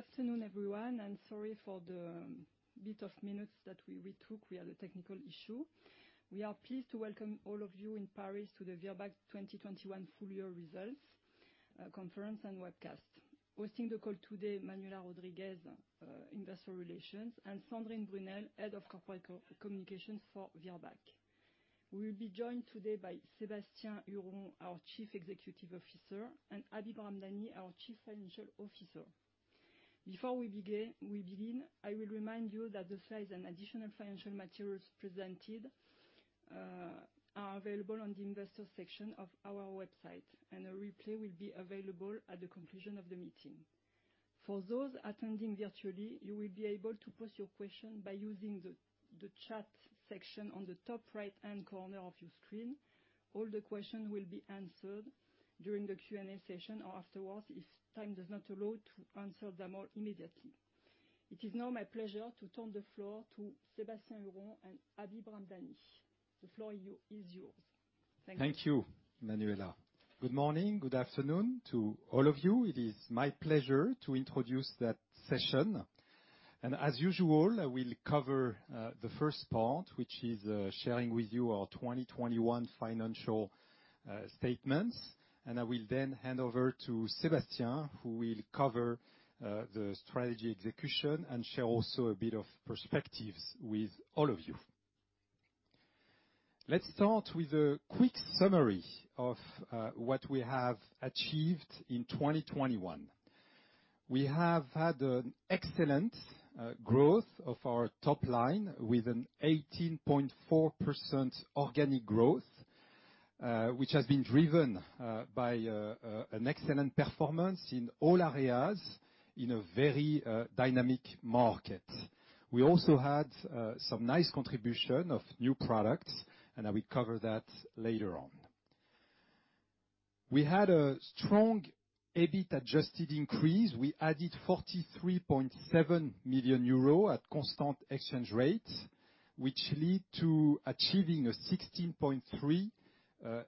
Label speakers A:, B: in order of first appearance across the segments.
A: Good afternoon, everyone, and sorry for the bit of minutes that we retook. We had a technical issue. We are pleased to welcome all of you in Paris to the Virbac 2021 full year results conference and webcast. Hosting the call today, Manuela Rodriguez, Investor Relations, and Sandrine Brunel, Head of Corporate Communications for Virbac. We'll be joined today by Sébastien Huron, our Chief Executive Officer, and Habib Ramdani, our Chief Financial Officer. Before we begin, I will remind you that the slides and additional financial materials presented are available on the investor section of our website, and a replay will be available at the conclusion of the meeting. For those attending virtually, you will be able to pose your question by using the chat section on the top right-hand corner of your screen. All the questions will be answered during the Q&A session or afterwards if time does not allow to answer them all immediately. It is now my pleasure to turn the floor to Sébastien Huron and Habib Ramdani. The floor is yours. Thank you.
B: Thank you, Manuela. Good morning, good afternoon to all of you. It is my pleasure to introduce that session. As usual, I will cover the first part, which is sharing with you our 2021 financial statements. I will then hand over to Sébastien, who will cover the strategy execution and share also a bit of perspectives with all of you. Let's start with a quick summary of what we have achieved in 2021. We have had an excellent growth of our top line with an 18.4% organic growth, which has been driven by an excellent performance in all areas in a very dynamic market. We also had some nice contribution of new products, and I will cover that later on. We had a strong EBIT adjusted increase. We added 43.7 million euro at constant exchange rates, which led to achieving a 16.3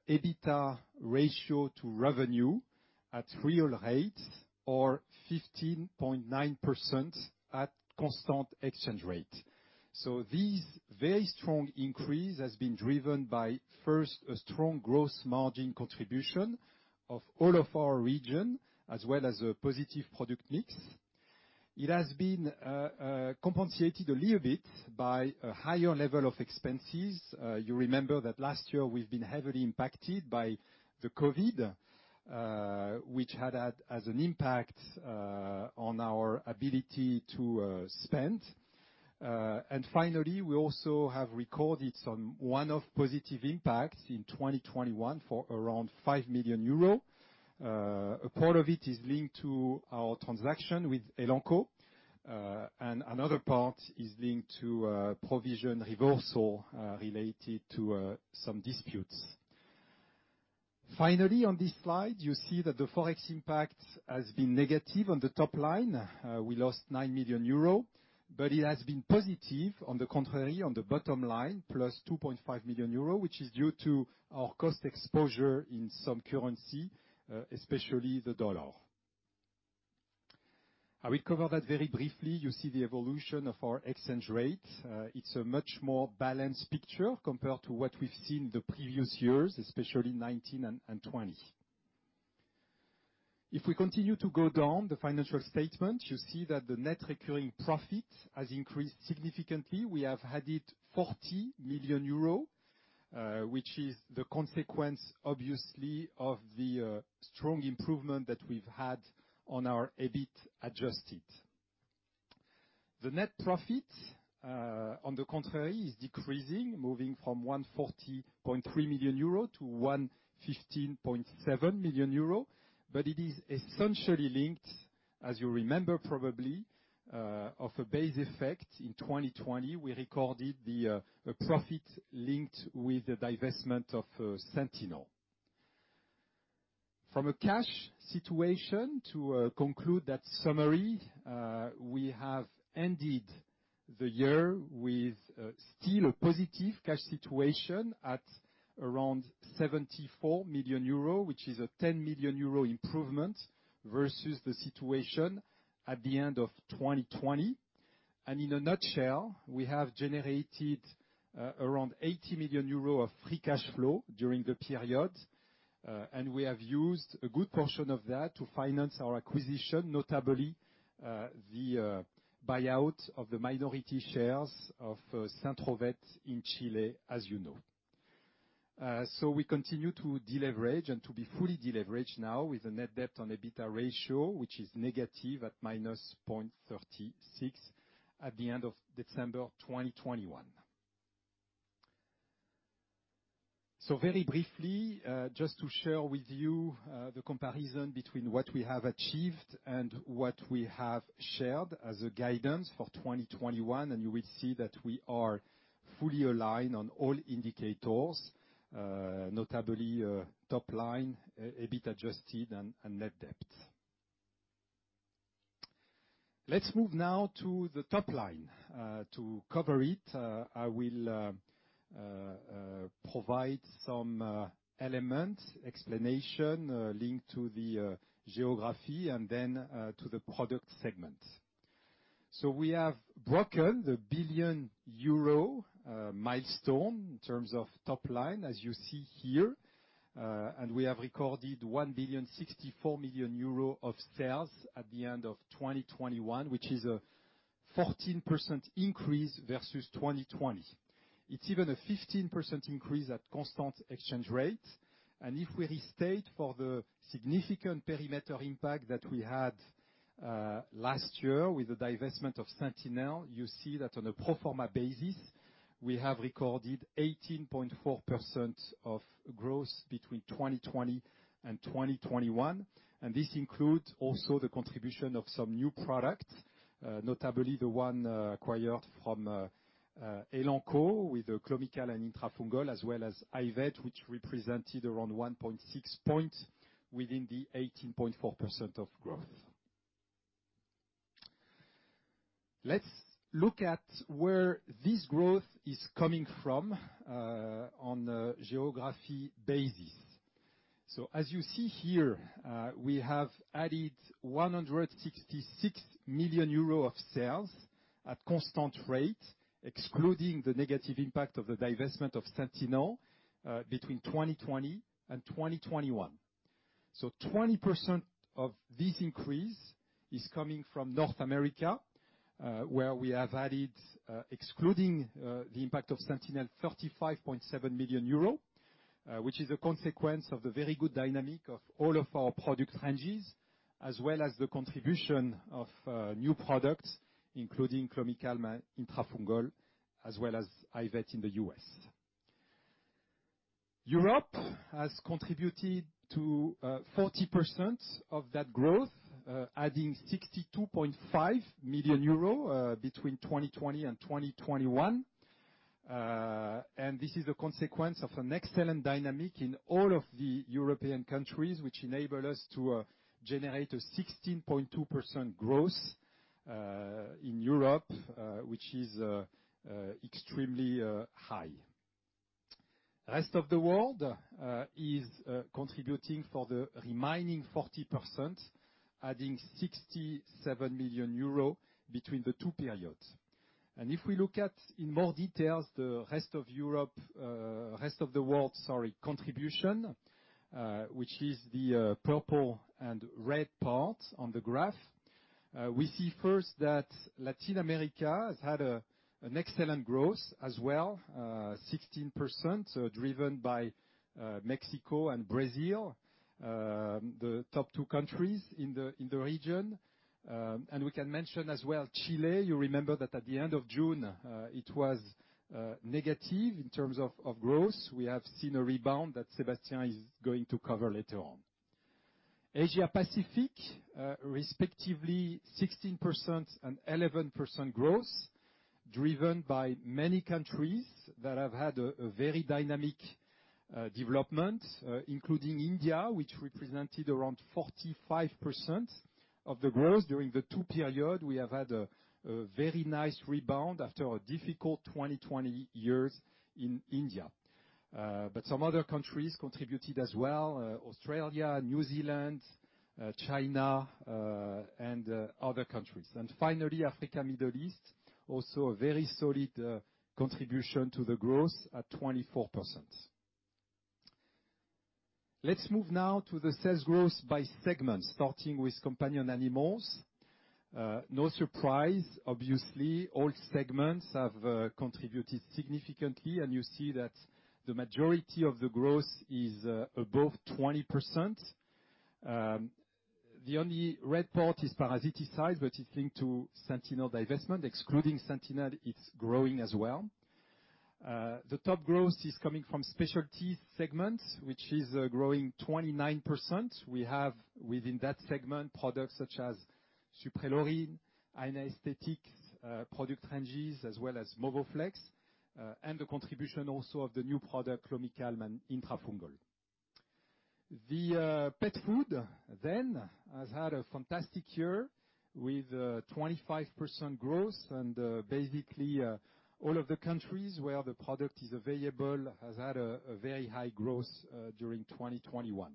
B: EBITDA ratio to revenue at real rates or 15.9% at constant exchange rate. This very strong increase has been driven by, first, a strong growth margin contribution of all of our region, as well as a positive product mix. It has been compensated a little bit by a higher level of expenses. You remember that last year we've been heavily impacted by the COVID, which had an impact on our ability to spend. Finally, we also have recorded some one-off positive impacts in 2021 for around 5 million euro. A part of it is linked to our transaction with Elanco, and another part is linked to a provision reversal related to some disputes. Finally, on this slide, you see that the Forex impact has been negative on the top line. We lost 9 million euro, but it has been positive, on the contrary, on the bottom line, plus 2.5 million euro, which is due to our cost exposure in some currency, especially the dollar. I will cover that very briefly. You see the evolution of our exchange rate. It's a much more balanced picture compared to what we've seen the previous years, especially 2019 and 2020. If we continue to go down the financial statement, you see that the net recurring profit has increased significantly. We have had 40 million euros, which is the consequence, obviously, of the strong improvement that we've had on our EBIT adjusted. The net profit, on the contrary, is decreasing, moving from 140.3 million euro to 115.7 million euro, but it is essentially linked, as you remember probably, of a base effect. In 2020, we recorded a profit linked with the divestment of Sentinel. From a cash situation to conclude that summary, we have ended the year with still a positive cash situation at around 74 million euro, which is a 10 million euro improvement versus the situation at the end of 2020. In a nutshell, we have generated around 80 million euros of free cash flow during the period, and we have used a good portion of that to finance our acquisition, notably the buyout of the minority shares of Centrovet in Chile, as you know. We continue to deleverage and to be fully deleveraged now with a net debt on EBITDA ratio, which is negative at -0.36 at the end of December 2021. Very briefly, just to share with you the comparison between what we have achieved and what we have shared as a guidance for 2021, and you will see that we are fully aligned on all indicators, notably top line, EBIT adjusted and net debt. Let's move now to the top line. To cover it, I will provide some element explanation linked to the geography and then to the product segment. We have broken the 1 billion euro milestone in terms of top line, as you see here. We have recorded 1,064 million euro of sales at the end of 2021, which is a 14% increase versus 2020. It's even a 15% increase at constant exchange rate. If we restate for the significant perimeter impact that we had last year with the divestment of Sentinel, you see that on a pro forma basis, we have recorded 18.4% of growth between 2020 and 2021. This includes also the contribution of some new product, notably the one, acquired from Elanco with the Clomicalm and Itrafungol, as well as Iverhart, which represented around 1.6 points within the 18.4% of growth. Let's look at where this growth is coming from, on a geography basis. As you see here, we have added 166 million euros of sales at constant rate, excluding the negative impact of the divestment of Sentinel, between 2020 and 2021. 20% of this increase is coming from North America, where we have added, excluding the impact of Sentinel, 35.7 million euro, which is a consequence of the very good dynamic of all of our product ranges, as well as the contribution of new products, including Clomicalm and Itrafungol, as well as Iverhart in the U.S. Europe has contributed to 40% of that growth, adding 62.5 million euro between 2020 and 2021. This is a consequence of an excellent dynamic in all of the European countries, which enable us to generate a 16.2% growth in Europe, which is extremely high. Rest of the world is contributing for the remaining 40%, adding 67 million euros between the two periods. If we look at in more details the rest of Europe, rest of the world, sorry, contribution, which is the purple and red part on the graph, we see first that Latin America has had an excellent growth as well, 16%, driven by Mexico and Brazil, the top two countries in the region. We can mention as well Chile. You remember that at the end of June, it was negative in terms of growth. We have seen a rebound that Sébastien is going to cover later on. Asia Pacific, respectively 16% and 11% growth, driven by major countries that have had a very dynamic development, including India, which represented around 45% of the growth during the two period. We have had a very nice rebound after a difficult 2020 in India. But some other countries contributed as well, Australia, New Zealand, China, and other countries. Finally, Africa, Middle East, also a very solid contribution to the growth at 24%. Let's move now to the sales growth by segment, starting with companion animals. No surprise, obviously, all segments have contributed significantly, and you see that the majority of the growth is above 20%. The only red part is parasiticide, which is linked to Sentinel divestment. Excluding Sentinel, it's growing as well. The top growth is coming from specialty segment, which is growing 29%. We have, within that segment, products such as Suprelorin, anesthetic product ranges, as well as Movoflex, and the contribution also of the new product, Clomicalm and Itrafungol. The pet food then has had a fantastic year with 25% growth. Basically all of the countries where the product is available has had a very high growth during 2021.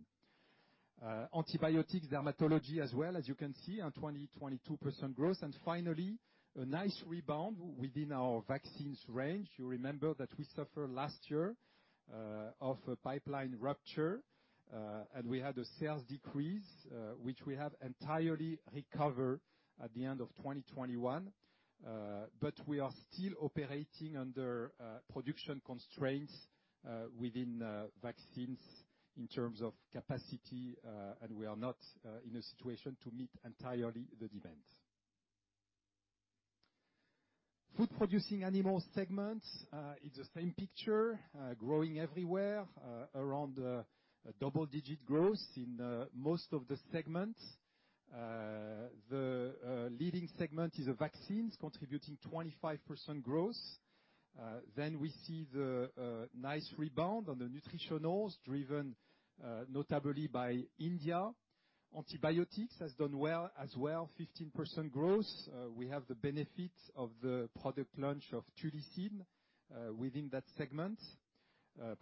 B: Antibiotics, dermatology as well, as you can see, a 22% growth. Finally, a nice rebound within our vaccines range. You remember that we suffered last year of a pipeline rupture and we had a sales decrease which we have entirely recovered at the end of 2021. We are still operating under production constraints within vaccines in terms of capacity, and we are not in a situation to meet entirely the demand. Food-producing animals segment is the same picture, growing everywhere, around a double-digit growth in most of the segments. The leading segment is vaccines, contributing 25% growth. Then we see the nice rebound on the nutritionals driven notably by India. Antibiotics has done well as well, 15% growth. We have the benefit of the product launch of TULISSIN within that segment.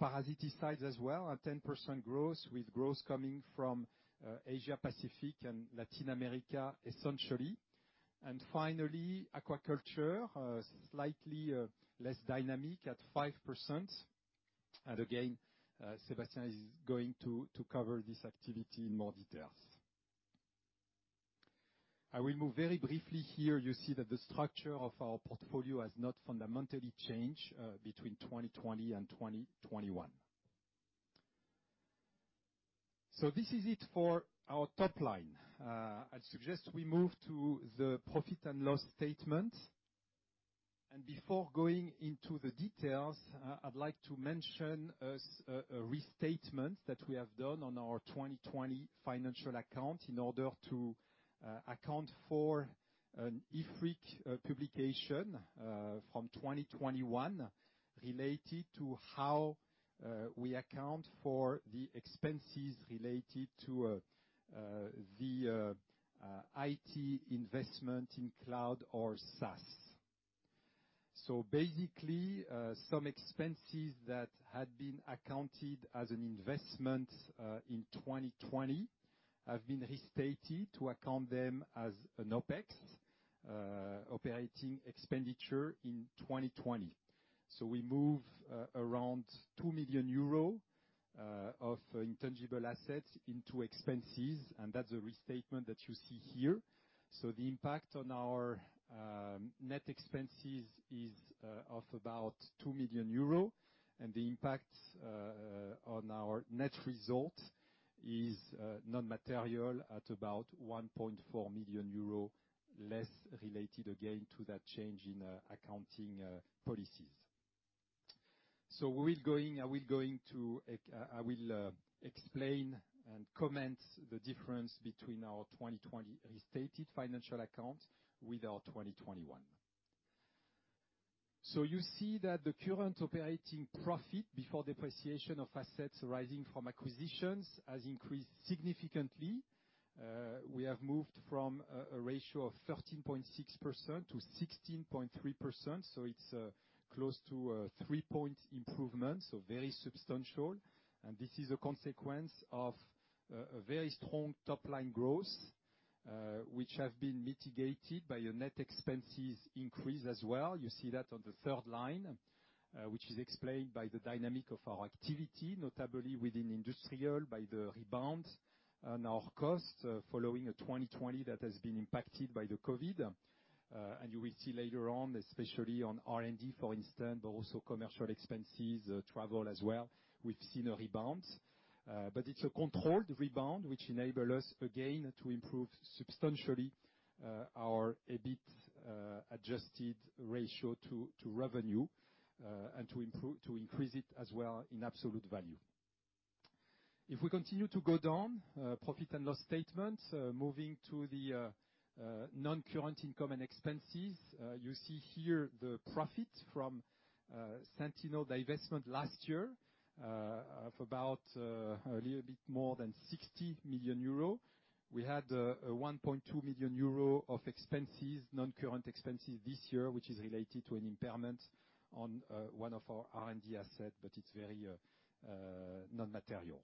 B: Parasiticides as well, at 10% growth, with growth coming from Asia-Pacific and Latin America essentially. Finally, aquaculture slightly less dynamic at 5%. Sébastien is going to cover this activity in more details. I will move very briefly here. You see that the structure of our portfolio has not fundamentally changed between 2020 and 2021. This is it for our top line. I suggest we move to the profit and loss statement. Before going into the details, I'd like to mention a restatement that we have done on our 2020 financial account in order to account for an IFRIC publication from 2021 related to how we account for the expenses related to the IT investment in cloud or SaaS. Basically, some expenses that had been accounted as an investment in 2020 have been restated to account them as an OpEx, operating expenditure in 2020. We move around 2 million euro of intangible assets into expenses, and that's a restatement that you see here. The impact on our net expenses is of about 2 million euro, and the impact on our net result is non-material at about 1.4 million euro loss related again to that change in accounting policies. I will explain and comment the difference between our 2020 restated financial accounts and our 2021. You see that the current operating profit before depreciation of assets arising from acquisitions has increased significantly. We have moved from a ratio of 13.6% to 16.3%, so it's close to a 3-point improvement, so very substantial. This is a consequence of a very strong top-line growth, which have been mitigated by a net expenses increase as well. You see that on the third line, which is explained by the dynamic of our activity, notably within industrial, by the rebound on our costs following a 2020 that has been impacted by the COVID. You will see later on, especially on R&D, for instance, but also commercial expenses, travel as well, we've seen a rebound. But it's a controlled rebound, which enable us, again, to improve substantially our EBIT adjusted ratio to revenue, and to increase it as well in absolute value. If we continue to go down, profit and loss statement, moving to the non-current income and expenses, you see here the profit from Sentinel divestment last year of about a little bit more than 60 million euro. We had a 1.2 million euro of expenses, non-current expenses this year, which is related to an impairment on one of our R&D assets, but it's very non-material.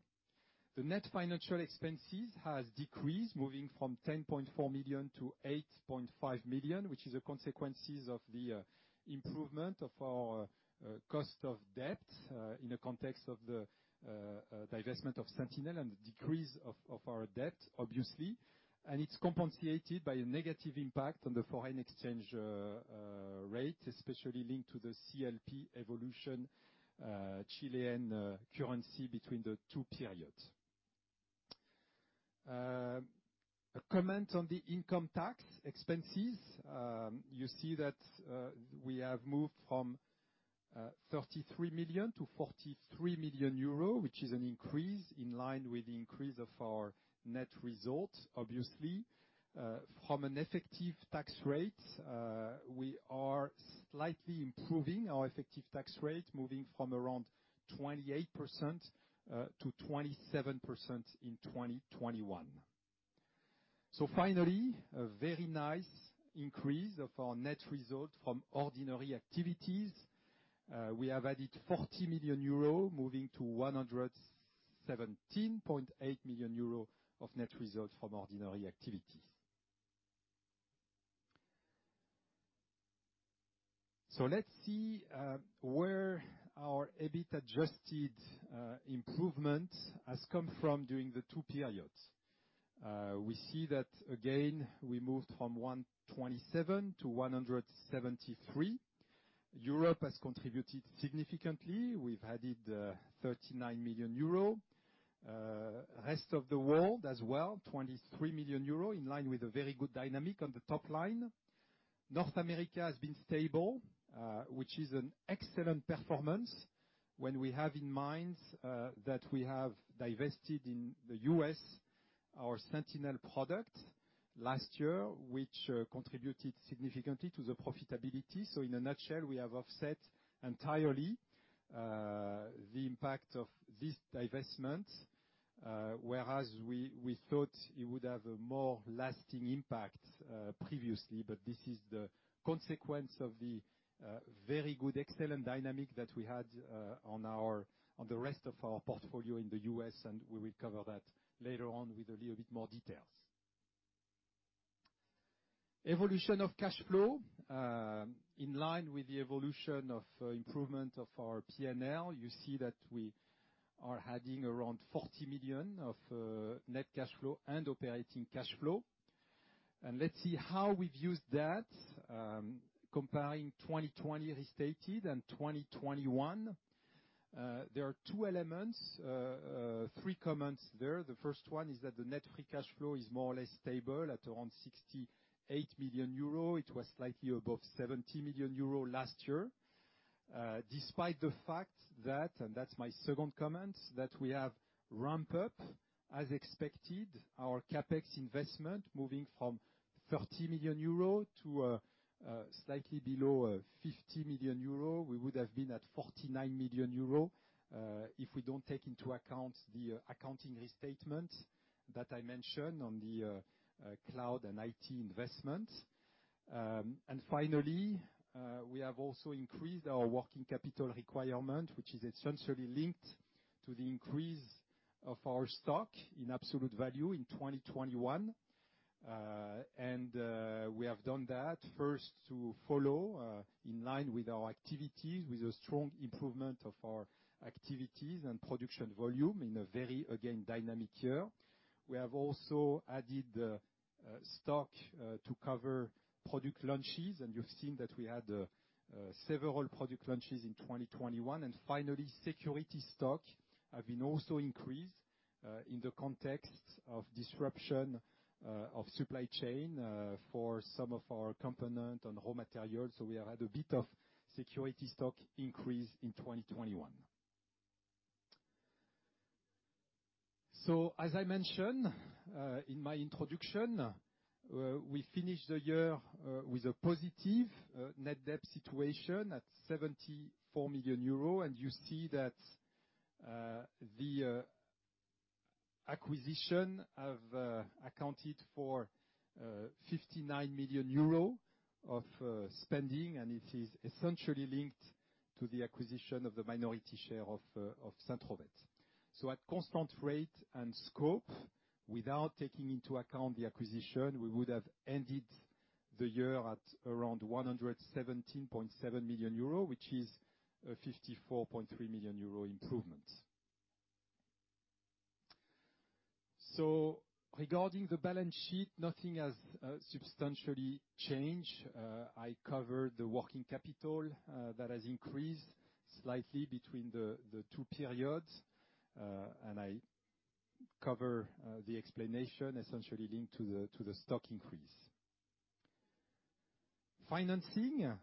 B: The net financial expenses has decreased, moving from 10.4 million to 8.5 million, which is a consequences of the improvement of our cost of debt in the context of the divestment of Sentinel and the decrease of our debt, obviously. It's compensated by a negative impact on the foreign exchange rate, especially linked to the CLP evolution, Chilean currency between the two periods. A comment on the income tax expenses. You see that we have moved from 33 million to 43 million euro, which is an increase in line with the increase of our net results, obviously. From an effective tax rate, we are slightly improving our effective tax rate, moving from around 28% to 27% in 2021. Finally, a very nice increase of our net result from ordinary activities. We have added EUR 40 million, moving to 117.8 million euro of net results from ordinary activities. Let's see where our EBIT adjusted improvement has come from during the two periods. We see that, again, we moved from 127 to 173. Europe has contributed significantly. We've added 39 million euro. Rest of the world as well, 23 million euro, in line with a very good dynamic on the top line. North America has been stable, which is an excellent performance when we have in mind that we have divested in the U.S. our Sentinel product last year, which contributed significantly to the profitability. In a nutshell, we have offset entirely the impact of this divestment, whereas we thought it would have a more lasting impact previously, but this is the consequence of the very good, excellent dynamic that we had on the rest of our portfolio in the U.S., and we will cover that later on with a little bit more details. Evolution of cash flow, in line with the evolution of improvement of our PNL, you see that we are adding around 40 million of net cash flow and operating cash flow. Let's see how we've used that, comparing 2020 restated and 2021. There are two elements, three comments there. The first one is that the net free cash flow is more or less stable at around 68 million euro. It was slightly above 70 million euro last year. Despite the fact that, and that's my second comment, that we have ramped up, as expected, our CapEx investment moving from 30 million euro to, slightly below 50 million euro. We would have been at 49 million euro, if we don't take into account the accounting restatement that I mentioned on the, cloud and IT investment. Finally, we have also increased our working capital requirement, which is essentially linked to the increase of our stock in absolute value in 2021. We have done that first to follow in line with our activities, with a strong improvement of our activities and production volume in a very, again, dynamic year. We have also added stock to cover product launches, and you've seen that we had several product launches in 2021. Finally, security stock have been also increased in the context of disruption of supply chain for some of our component and raw materials. We have had a bit of security stock increase in 2021. As I mentioned in my introduction, we finished the year with a positive net debt situation at 74 million euro, and you see that the acquisition have accounted for 59 million euro of spending, and it is essentially linked to the acquisition of the minority share of Centrovet. At constant rate and scope, without taking into account the acquisition, we would have ended the year at around 117.7 million euro, which is a 54.3 million euro improvement. Regarding the balance sheet, nothing has substantially changed. I covered the working capital that has increased slightly between the two periods. And I cover the explanation essentially linked to the stock increase. Financing,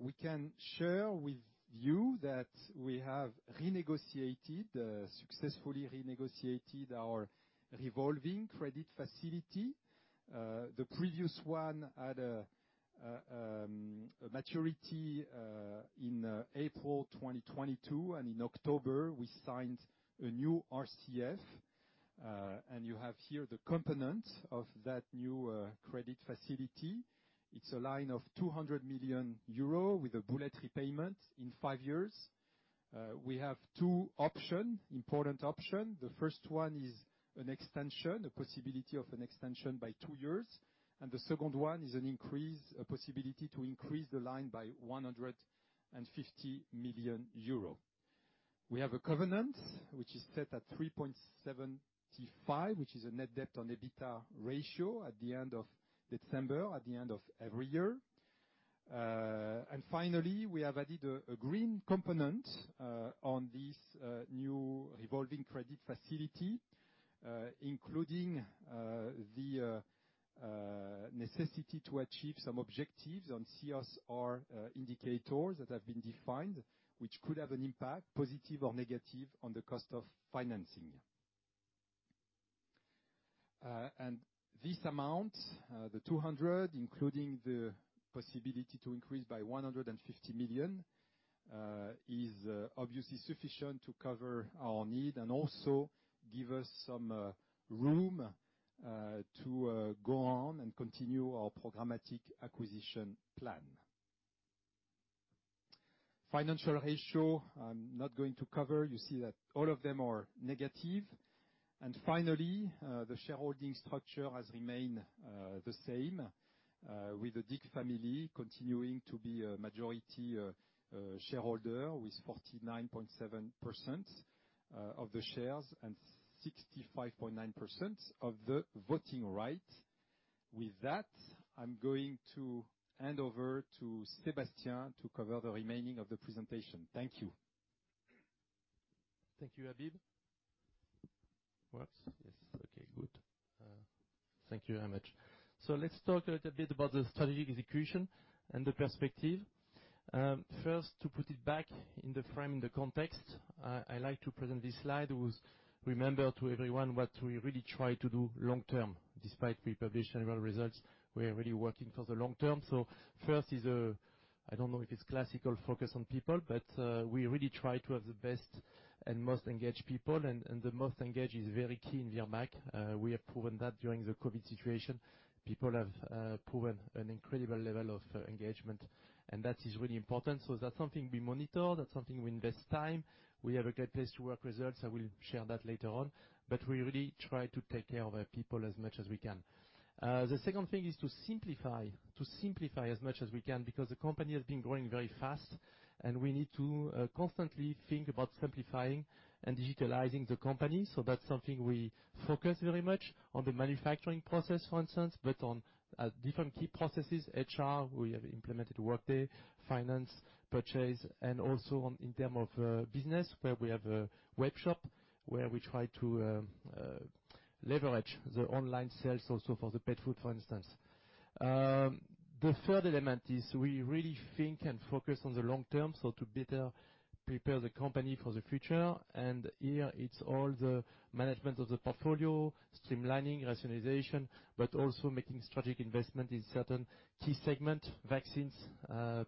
B: we can share with you that we have successfully renegotiated our revolving credit facility. The previous one had a maturity in April 2022, and in October, we signed a new RCF, and you have here the component of that new credit facility. It's a line of 200 million euro with a bullet repayment in 5 years. We have 2 option, important option. The first one is an extension, a possibility of an extension by 2 years, and the second one is an increase, a possibility to increase the line by 150 million euro. We have a covenant, which is set at 3.75, which is a net debt on EBITDA ratio at the end of December, at the end of every year. Finally, we have added a green component on this new revolving credit facility, including the necessity to achieve some objectives on CSR indicators that have been defined, which could have an impact, positive or negative, on the cost of financing. This amount, the 200 million, including the possibility to increase by 150 million, is obviously sufficient to cover our need and also give us some room to go on and continue our programmatic acquisition plan. Financial ratios, I'm not going to cover. You see that all of them are negative. The shareholding structure has remained the same with the Dick family continuing to be a majority shareholder with 49.7% of the shares and 65.9% of the voting rights. With that, I'm going to hand over to Sébastien to cover the remaining of the presentation. Thank you.
C: Thank you, Habib. Works? Yes. Okay, good. Thank you very much. Let's talk a little bit about the strategic execution and the perspective. First, to put it back in the frame, the context, I like to present this slide. It is to remind everyone what we really try to do long term. Despite we publish annual results, we are really working for the long term. First is a classic focus on people, but we really try to have the best and most engaged people and the most engaged is very key in Virbac. We have proven that during the COVID situation. People have proven an incredible level of engagement, and that is really important. That's something we monitor, that's something we invest time. We have Great Place to Work results. I will share that later on, but we really try to take care of our people as much as we can. The second thing is to simplify as much as we can because the company has been growing very fast, and we need to constantly think about simplifying and digitalizing the company. That's something we focus very much on the manufacturing process, for instance, but on different key processes. HR, we have implemented Workday, finance, purchase, and also on in terms of business, where we have a webshop where we try to leverage the online sales also for the pet food, for instance. The third element is we really think and focus on the long term, so to better prepare the company for the future. Here it's all the management of the portfolio, streamlining, rationalization, but also making strategic investment in certain key segment vaccines.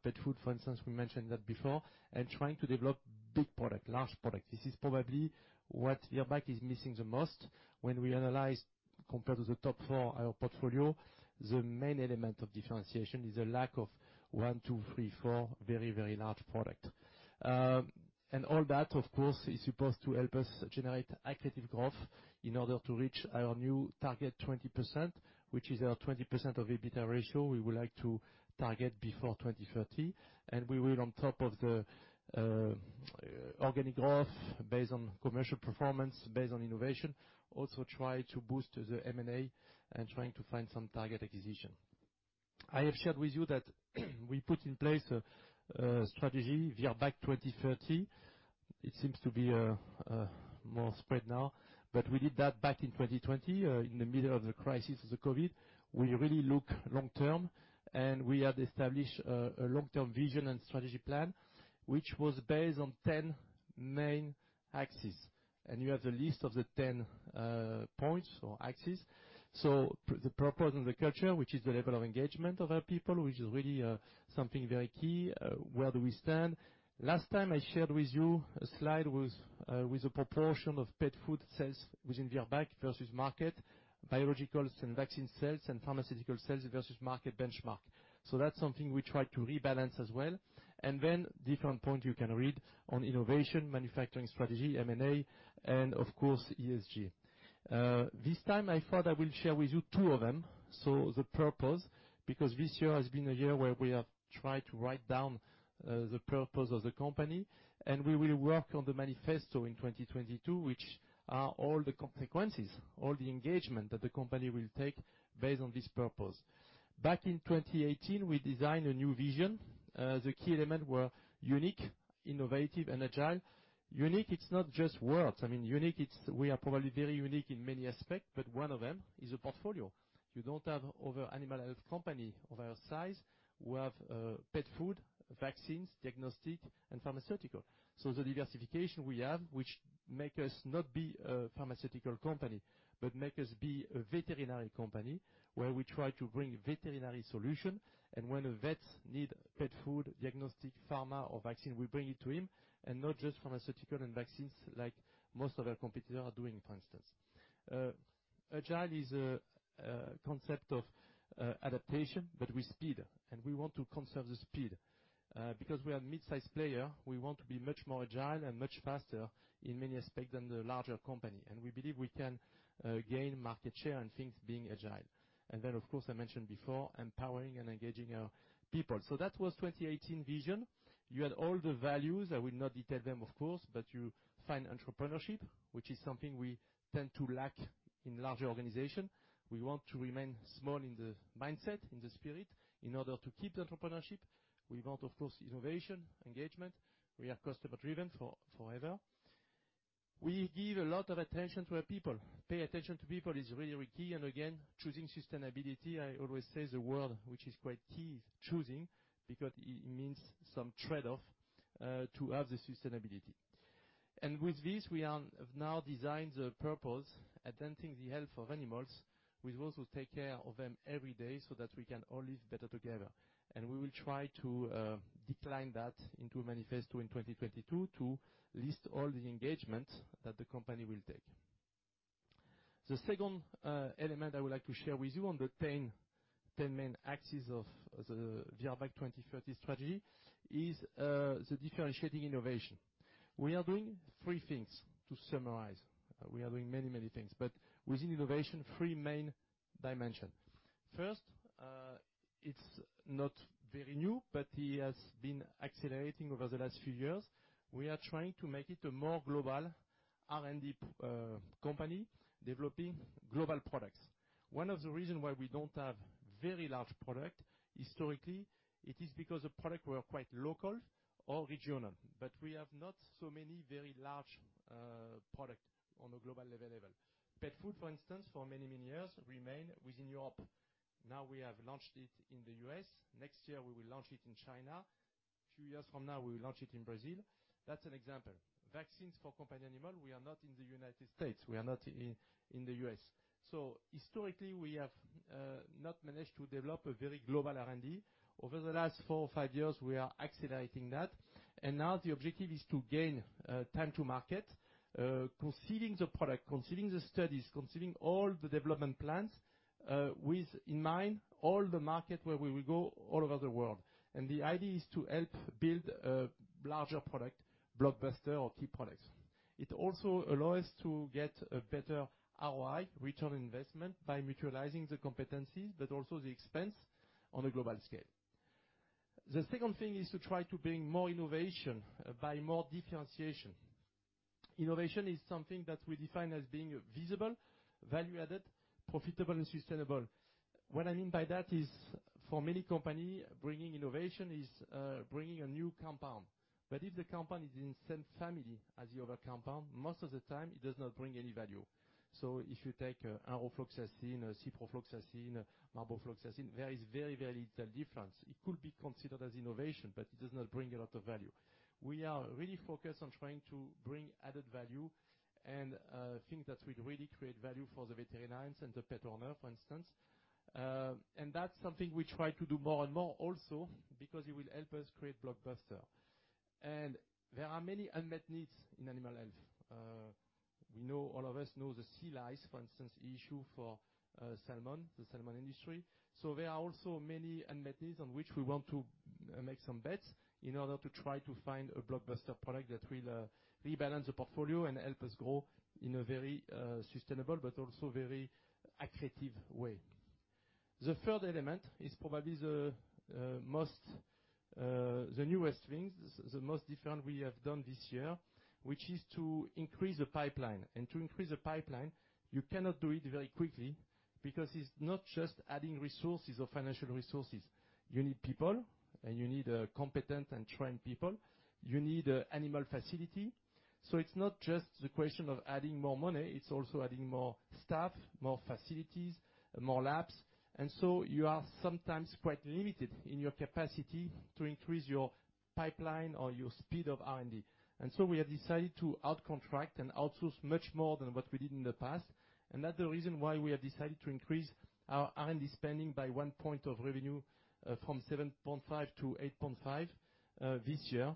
C: Pet food, for instance, we mentioned that before, and trying to develop big product, large product. This is probably what Virbac is missing the most when we analyze compared to the top four our portfolio. The main element of differentiation is a lack of one, two, three, four very, very large product. All that of course is supposed to help us generate accretive growth in order to reach our new target 20%, which is our 20% EBITDA ratio we would like to target before 2030. We will, on top of the organic growth based on commercial performance, based on innovation, also try to boost the M&A and trying to find some target acquisition. I have shared with you that we put in place a strategy, Virbac 2030. It seems to be a more spread now, but we did that back in 2020, in the middle of the crisis of the COVID. We really look long term, and we have established a long-term vision and strategy plan, which was based on 10 main axes, and you have the list of the 10 points or axes. The purpose and the culture, which is the level of engagement of our people, which is really something very key. Where do we stand? Last time I shared with you a slide with a proportion of pet food sales within Virbac versus market, biologicals and vaccine sales and pharmaceutical sales versus market benchmark. That's something we try to rebalance as well. Different point you can read on innovation, manufacturing strategy, M&A, and of course, ESG. This time I thought I will share with you two of them. The purpose, because this year has been a year where we have tried to write down the purpose of the company, and we will work on the manifesto in 2022, which are all the consequences, all the engagement that the company will take based on this purpose. Back in 2018, we designed a new vision. The key element were unique, innovative, and agile. Unique, it's not just words. I mean, unique. We are probably very unique in many aspects, but one of them is a portfolio. You don't have other animal health company of our size. We have pet food, vaccines, diagnostic, and pharmaceutical. The diversification we have, which make us not be a pharmaceutical company, but make us be a veterinary company, where we try to bring veterinary solution. When a vet need pet food, diagnostic, pharma or vaccine, we bring it to him and not just pharmaceutical and vaccines like most other competitors are doing, for instance. Agile is a concept of adaptation, but with speed, and we want to conserve the speed. Because we are mid-size player, we want to be much more agile and much faster in many aspects than the larger company. We believe we can gain market share and things being agile. Of course, I mentioned before, empowering and engaging our people. That was 2018 vision. You had all the values. I will not detail them, of course, but you find entrepreneurship, which is something we tend to lack in larger organization. We want to remain small in the mindset, in the spirit, in order to keep the entrepreneurship. We want, of course, innovation, engagement. We are customer-driven forever. We give a lot of attention to our people. Pay attention to people is really, really key. Again, choosing sustainability, I always say the word, which is quite key, choosing, because it means some trade-off to have the sustainability. With this, we have now designed the purpose, attending the health of animals with those who take care of them every day, so that we can all live better together. We will try to decline that into a manifesto in 2022 to list all the engagements that the company will take. The second element I would like to share with you on the 10 main axes of the Virbac 2030 strategy is the differentiating innovation. We are doing three things, to summarize. We are doing many, many things, but within innovation, three main dimension. First, it's not very new, but it has been accelerating over the last few years. We are trying to make it a more global R&D company developing global products. One of the reason why we don't have very large product historically, it is because the product were quite local or regional. But we have not so many very large product on a global level. Pet food, for instance, for many, many years remain within Europe. Now we have launched it in the U.S. Next year, we will launch it in China. Few years from now, we will launch it in Brazil. That's an example. Vaccines for companion animal, we are not in the United States. We are not in the U.S. Historically, we have not managed to develop a very global R&D. Over the last four or five years, we are accelerating that. Now the objective is to gain time to market, conceiving the product, conceiving the studies, conceiving all the development plans, bearing in mind all the markets where we will go all over the world. The idea is to help build a larger product, blockbuster or key products. It also allow us to get a better ROI, return on investment by mutualizing the competencies, but also the expense on a global scale. The second thing is to try to bring more innovation by more differentiation. Innovation is something that we define as being visible, value-added, profitable and sustainable. What I mean by that is for many company, bringing innovation is, bringing a new compound. If the compound is in the same family as the other compound, most of the time it does not bring any value. If you take a ofloxacin, ciprofloxacin, marbofloxacin, there is very, very little difference. It could be considered as innovation, but it does not bring a lot of value. We are really focused on trying to bring added value and, things that will really create value for the veterinarians and the pet owner, for instance. That's something we try to do more and more also because it will help us create blockbuster. There are many unmet needs in animal health. We know, all of us know the sea lice, for instance, issue for, salmon, the salmon industry. There are also many unmet needs on which we want to make some bets in order to try to find a blockbuster product that will rebalance the portfolio and help us grow in a very sustainable but also very accretive way. The third element is probably the newest things, the most different we have done this year, which is to increase the pipeline. To increase the pipeline, you cannot do it very quickly because it is not just adding resources or financial resources. You need people, and you need competent and trained people. You need animal facility. It is not just the question of adding more money, it is also adding more staff, more facilities, more labs. You are sometimes quite limited in your capacity to increase your pipeline or your speed of R&D. We have decided to out-contract and outsource much more than what we did in the past. Another reason why we have decided to increase our R&D spending by one point of revenue, from 7.5 to 8.5, this year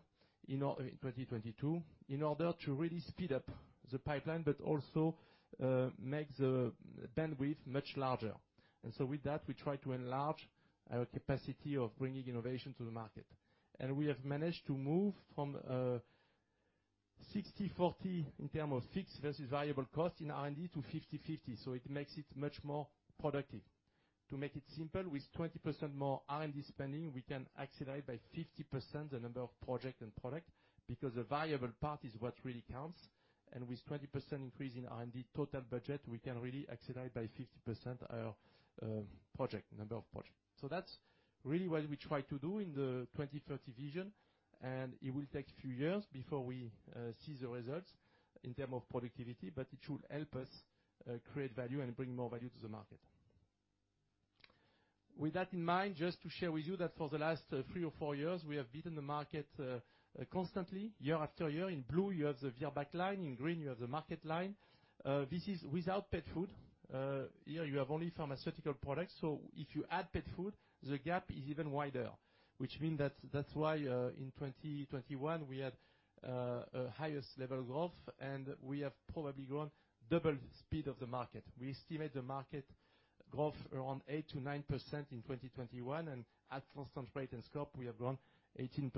C: in 2022, in order to really speed up the pipeline, but also, make the bandwidth much larger. With that, we try to enlarge our capacity of bringing innovation to the market. We have managed to move from, 60/40 in terms of fixed versus variable costs in R&D to 50/50. It makes it much more productive. To make it simple, with 20% more R&D spending, we can accelerate by 50% the number of project and product, because the variable part is what really counts. With 20% increase in R&D total budget, we can really accelerate by 50% our project number of project. That's really what we try to do in the 2030 vision, and it will take a few years before we see the results in term of productivity, but it should help us create value and bring more value to the market. With that in mind, just to share with you that for the last 3 or 4 years, we have beaten the market constantly year after year. In blue, you have the Virbac line, in green, you have the market line. This is without pet food. Here you have only pharmaceutical products. If you add pet food, the gap is even wider. That means that's why in 2021 we had a highest level growth, and we have probably grown double speed of the market. We estimate the market growth around 8%-9% in 2021, and at constant exchange rate and scope, we have grown 18%,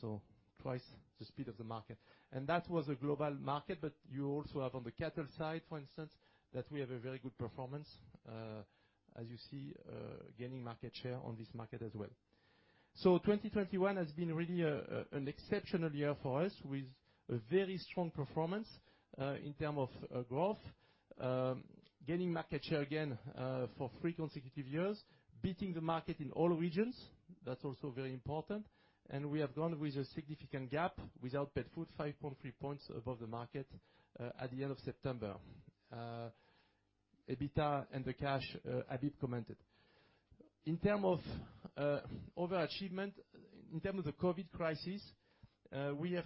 C: so twice the speed of the market. That was a global market, but you also have on the cattle side, for instance, that we have a very good performance, as you see, gaining market share on this market as well. 2021 has been really an exceptional year for us with a very strong performance in terms of growth. Gaining market share again for three consecutive years, beating the market in all regions. That's also very important. We have grown with a significant gap without pet food, 5.3 points above the market, at the end of September. EBITDA and the cash, Habib commented. In terms of overachievement in terms of the COVID crisis, we have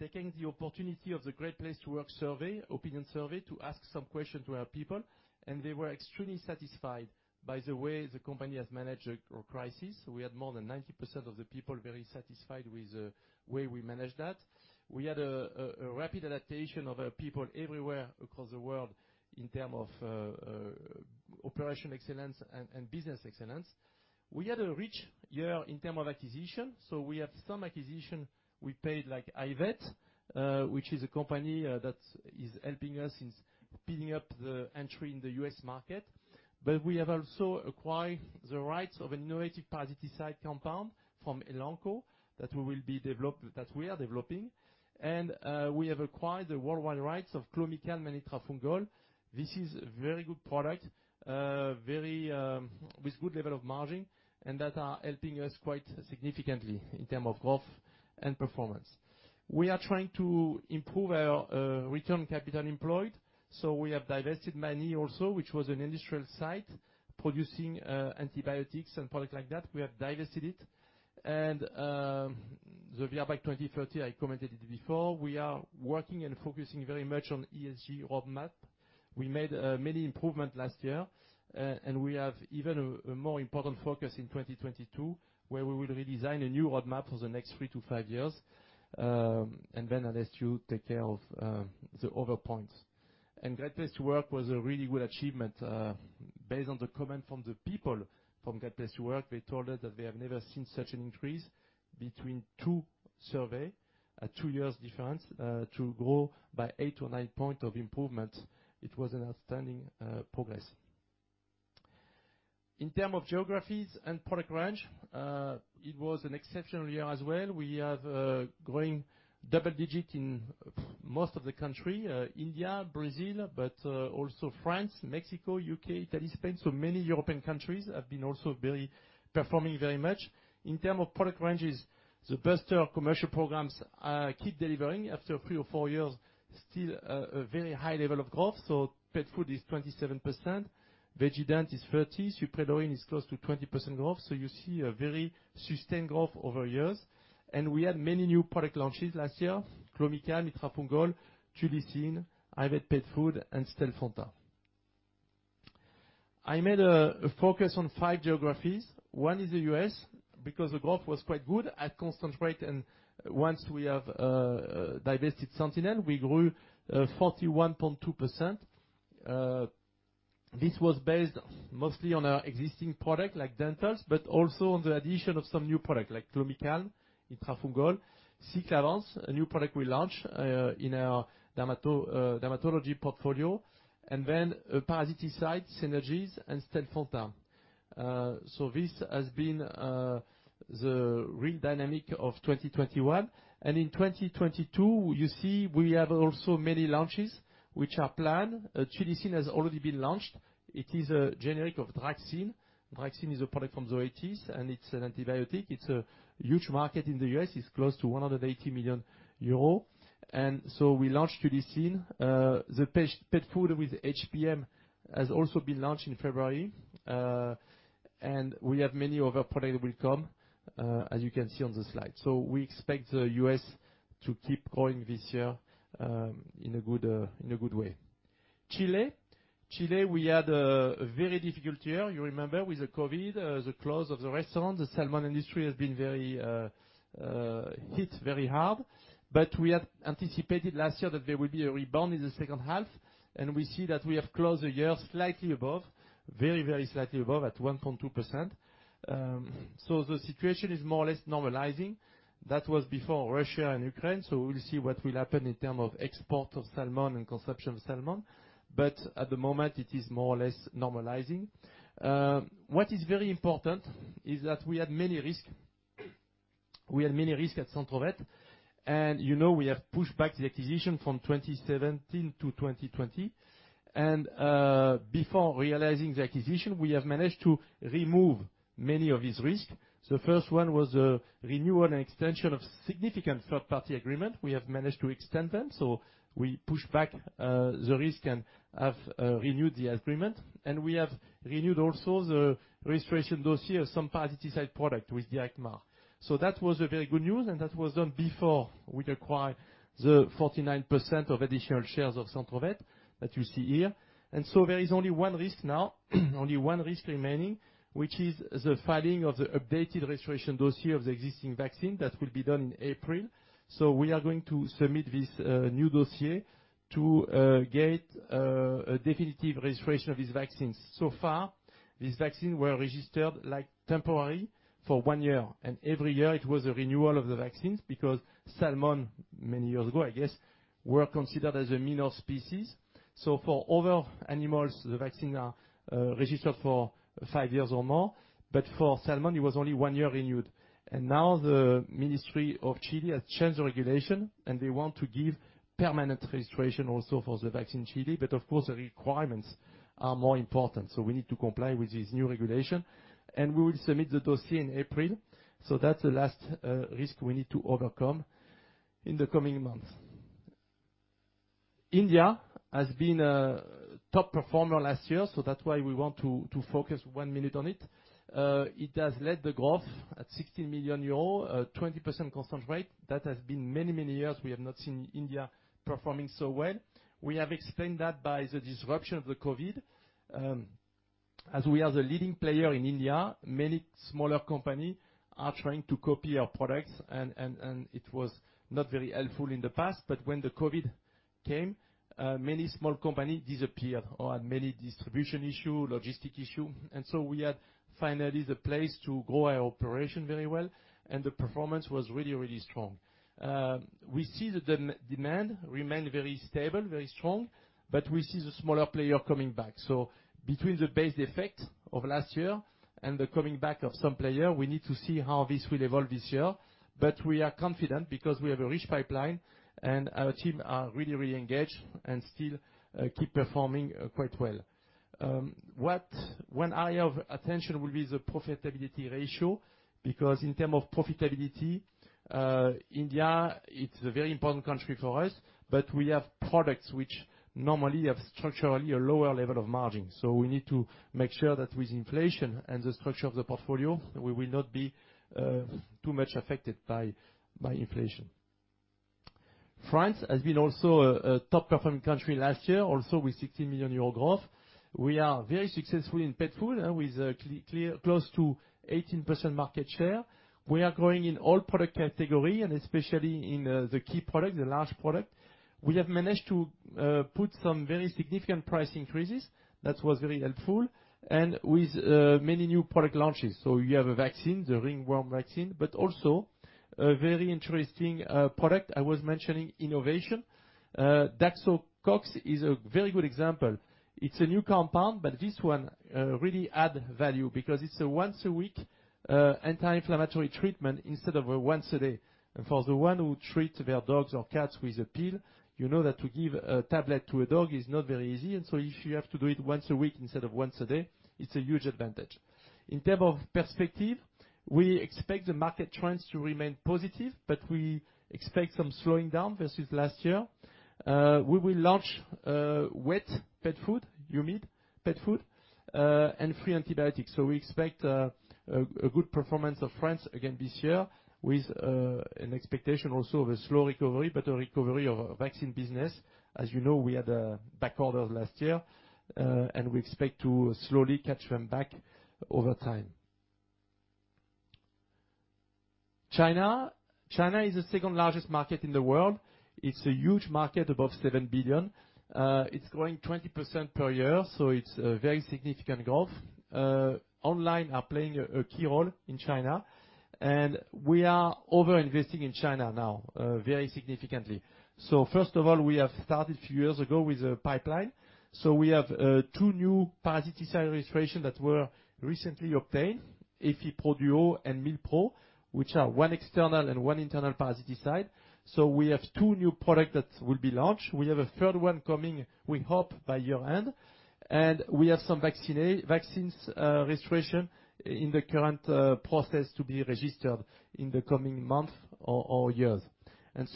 C: taken the opportunity of the Great Place to Work survey, opinion survey, to ask some questions to our people, and they were extremely satisfied by the way the company has managed our crisis. We had more than 90% of the people very satisfied with the way we managed that. We had a rapid adaptation of our people everywhere across the world in terms of operational excellence and business excellence. We had a rich year in terms of acquisitions. We have some acquisitions we paid like iVet, which is a company that is helping us in speeding up the entry in the U.S. market. We have also acquired the rights to an innovative parasitic compound from Elanco that we are developing. We have acquired the worldwide rights to Clomicalm and Itrafungol. This is a very good product, very with good level of margin, and that are helping us quite significantly in terms of growth and performance. We are trying to improve our return on capital employed. We have divested Magny also, which was an industrial site producing antibiotics and products like that. We have divested it. The Virbac 2030, I commented it before. We are working and focusing very much on ESG roadmap. We made many improvements last year, and we have even a more important focus in 2022, where we will redesign a new roadmap for the next 3-5 years, and then I'll let you take care of the other points. Great Place to Work was a really good achievement, based on the comments from the people from Great Place to Work. They told us that they have never seen such an increase between two surveys, a two-year difference, to grow by 8 or 9 points of improvement. It was an outstanding progress. In terms of geographies and product range, it was an exceptional year as well. We had growing double-digit in most of the countries, India, Brazil, but also France, Mexico, U.K., Italy, Spain. Many European countries have been also very performing very much. In terms of product ranges, the booster commercial programs keep delivering after three or four years, still a very high level of growth. Pet food is 27%, VeggieDent is 30, Suprelorin is close to 20% growth. You see a very sustained growth over years. We had many new product launches last year, Clomicalm, Itrafungol, Tulissin, iVet pet food, and Stelfonta. I made a focus on five geographies. One is the U.S. because the growth was quite good at constant rate and once we have divested Sentinel, we grew 41.2%. This was based mostly on our existing product like dentals, but also on the addition of some new product like Clomicalm, Itrafungol, Cyclavance, a new product we launched in our dermatology portfolio, and then parasiticides, SENERGY, and Stelfonta. This has been the real dynamic of 2021. In 2022, you see we have also many launches which are planned. TULISSIN has already been launched. It is a generic of Draxxin. Draxxin is a product from the '80s, and it's an antibiotic. It's a huge market in the U.S. It's close to 180 million euro. We launched TULISSIN. The pet food with HPM has also been launched in February, and we have many other product will come, as you can see on the slide. We expect the U.S. to keep growing this year in a good way. Chile, we had a very difficult year. You remember with the COVID, the closure of the restaurants, the salmon industry has been hit very hard. We had anticipated last year that there will be a rebound in the second half, and we see that we have closed the year slightly above, very slightly above at 1.2%. The situation is more or less normalizing. That was before Russia and Ukraine. We'll see what will happen in terms of export of salmon and consumption of salmon. At the moment, it is more or less normalizing. What is very important is that we had many risks at Centrovet, and you know we have pushed back the acquisition from 2017 to 2020. Before realizing the acquisition, we have managed to remove many of these risks. The first one was a renewal and extension of significant third-party agreements. We have managed to extend them. We pushed back the risk and have renewed the agreements. We have renewed also the registration dossier of some parasiticide products with the ICMA. That was very good news, and that was done before we acquired the 49% of additional shares of Centrovet that you see here. There is only one risk remaining, which is the filing of the updated registration dossier of the existing vaccine. That will be done in April. We are going to submit this new dossier to get a definitive registration of these vaccines. So far, these vaccines were registered like temporary for one year, and every year it was a renewal of the vaccines because salmon, many years ago, I guess, were considered as a minor species. For other animals, the vaccine are registered for five years or more. For salmon, it was only one year renewed. Now the Ministry of Chile has changed the regulation, and they want to give permanent registration also for the vaccine Chile. Of course, the requirements are more important. We need to comply with this new regulation, and we will submit the dossier in April. That's the last risk we need to overcome in the coming months. India has been a top performer last year, so that's why we want to focus one minute on it. It has led the growth at 60 million euros, 20% constant rate. That has been many years we have not seen India performing so well. We have explained that by the disruption of COVID. As we are the leading player in India, many smaller companies are trying to copy our products and it was not very helpful in the past. But when COVID came, many small companies disappeared or had many distribution issues, logistic issues. We had finally the place to grow our operations very well, and the performance was really strong. We see that demand remains very stable, very strong, but we see the smaller players coming back. Between the base effect of last year and the coming back of some player, we need to see how this will evolve this year. We are confident because we have a rich pipeline, and our team are really engaged and still keep performing quite well. One area of attention will be the profitability ratio, because in terms of profitability, India, it's a very important country for us, but we have products which normally have structurally a lower level of margin. We need to make sure that with inflation and the structure of the portfolio, we will not be too much affected by inflation. France has been also a top-performing country last year, also with 60 million euro growth. We are very successful in pet food with a close to 18% market share. We are growing in all product category, and especially in the key products, the large product. We have managed to put some very significant price increases. That was very helpful, and with many new product launches. You have a vaccine, the ringworm vaccine, but also a very interesting product. I was mentioning innovation. Daxocox is a very good example. It's a new compound, but this one really add value because it's a once a week anti-inflammatory treatment instead of a once a day. For the one who treat their dogs or cats with a pill, you know that to give a tablet to a dog is not very easy, and so if you have to do it once a week instead of once a day, it's a huge advantage. In terms of perspective, we expect the market trends to remain positive, but we expect some slowing down versus last year. We will launch wet pet food, humid pet food, and free antibiotics. We expect a good performance of France again this year with an expectation also of a slow recovery, but a recovery of our vaccine business. As you know, we had backorders last year, and we expect to slowly catch them back over time. China is the second-largest market in the world. It's a huge market, above 7 billion. It's growing 20% per year, so it's a very significant growth. Online are playing a key role in China, and we are over-investing in China now, very significantly. First of all, we have started a few years ago with a pipeline. We have two new parasiticide registrations that were recently obtained, Effipro Duo and Milpro, which are one external and one internal parasiticide. We have two new product that will be launched. We have a third one coming, we hope, by year-end. We have some vaccines registration in the current process to be registered in the coming months or years.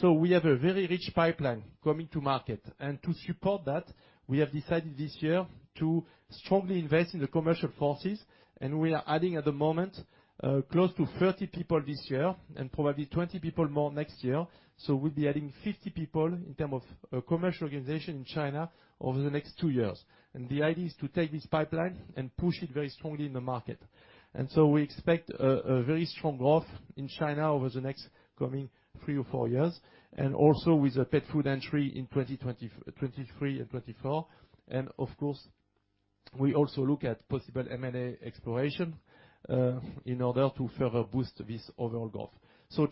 C: We have a very rich pipeline coming to market. To support that, we have decided this year to strongly invest in the commercial forces, and we are adding at the moment close to 30 people this year and probably 20 people more next year. We'll be adding 50 people in terms of commercial organization in China over the next two years. The idea is to take this pipeline and push it very strongly in the market. We expect a very strong growth in China over the next coming 3-4 years, and also with a pet food entry in 2023 and 2024. Of course, we also look at possible M&A exploration in order to further boost this overall growth.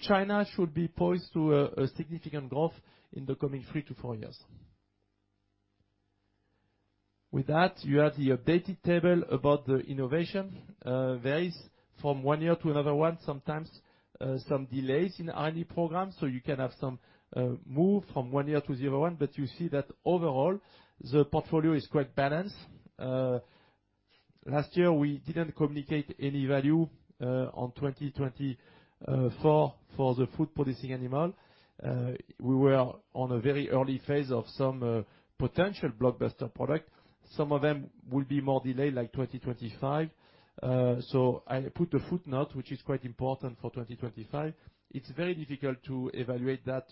C: China should be poised to a significant growth in the coming 3-4 years. With that, you have the updated table about the innovation varies from one year to another one. Sometimes some delays in R&D programs, so you can have some move from one year to the other one, but you see that overall, the portfolio is quite balanced. Last year, we didn't communicate any value on 2024 for the food-producing animal. We were on a very early phase of some potential blockbuster product. Some of them will be more delayed, like 2025. So I put a footnote, which is quite important for 2025. It's very difficult to evaluate that,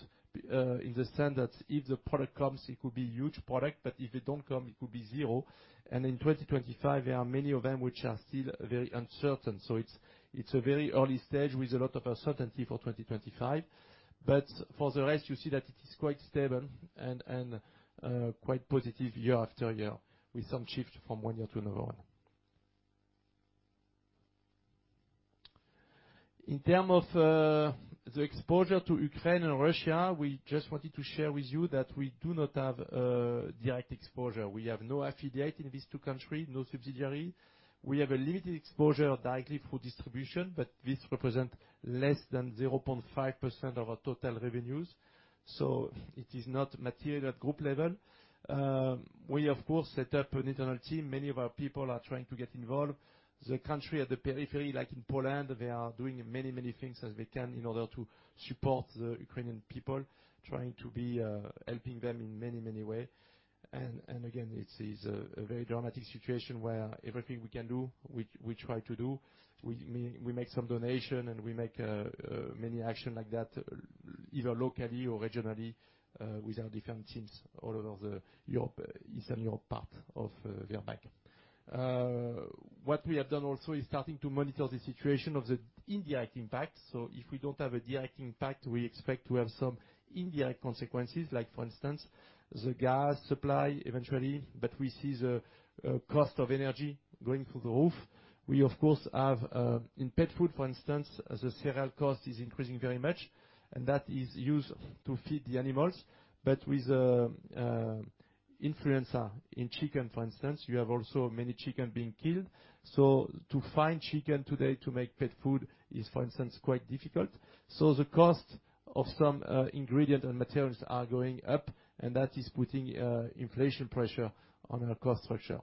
C: in the sense that if the product comes, it could be huge product, but if it don't come, it could be zero. And in 2025, there are many of them which are still very uncertain. It's a very early stage with a lot of uncertainty for 2025. But for the rest, you see that it is quite stable and quite positive year after year, with some shift from one year to another one. In terms of the exposure to Ukraine and Russia, we just wanted to share with you that we do not have direct exposure. We have no affiliate in these two countries, no subsidiary. We have a limited exposure directly through distribution, but this represent less than 0.5% of our total revenues, so it is not material at group level. We, of course, set up an internal team. Many of our people are trying to get involved. The country at the periphery, like in Poland, they are doing many things as they can in order to support the Ukrainian people, trying to be helping them in many ways. Again, it is a very dramatic situation where everything we can do, we try to do. We make some donation, and we make many action like that, either locally or regionally, with our different teams all over Europe, Eastern Europe part of Virbac. What we have done also is starting to monitor the situation of the indirect impact. If we don't have a direct impact, we expect to have some indirect consequences, like for instance, the gas supply eventually, but we see the cost of energy going through the roof. We of course have in pet food, for instance, the cereal cost is increasing very much, and that is used to feed the animals. With influenza in chicken, for instance, you have also many chicken being killed. To find chicken today to make pet food is, for instance, quite difficult. The cost of some ingredient and materials are going up, and that is putting inflation pressure on our cost structure.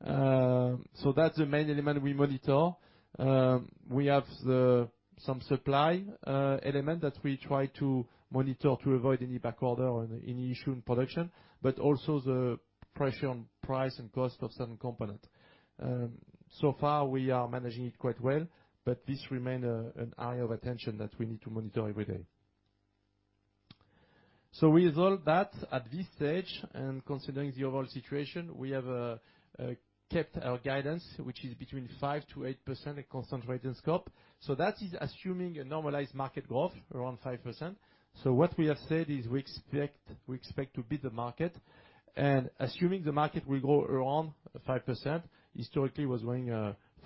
C: That's the main element we monitor. We have the... some supply element that we try to monitor to avoid any backorder or any issue in production, but also the pressure on price and cost of certain component. So far, we are managing it quite well, but this remain an area of attention that we need to monitor every day. With all that, at this stage, and considering the overall situation, we have kept our guidance, which is between 5%-8% at constant rate and scope. That is assuming a normalized market growth around 5%. What we have said is we expect to beat the market. Assuming the market will grow around 5%, historically was growing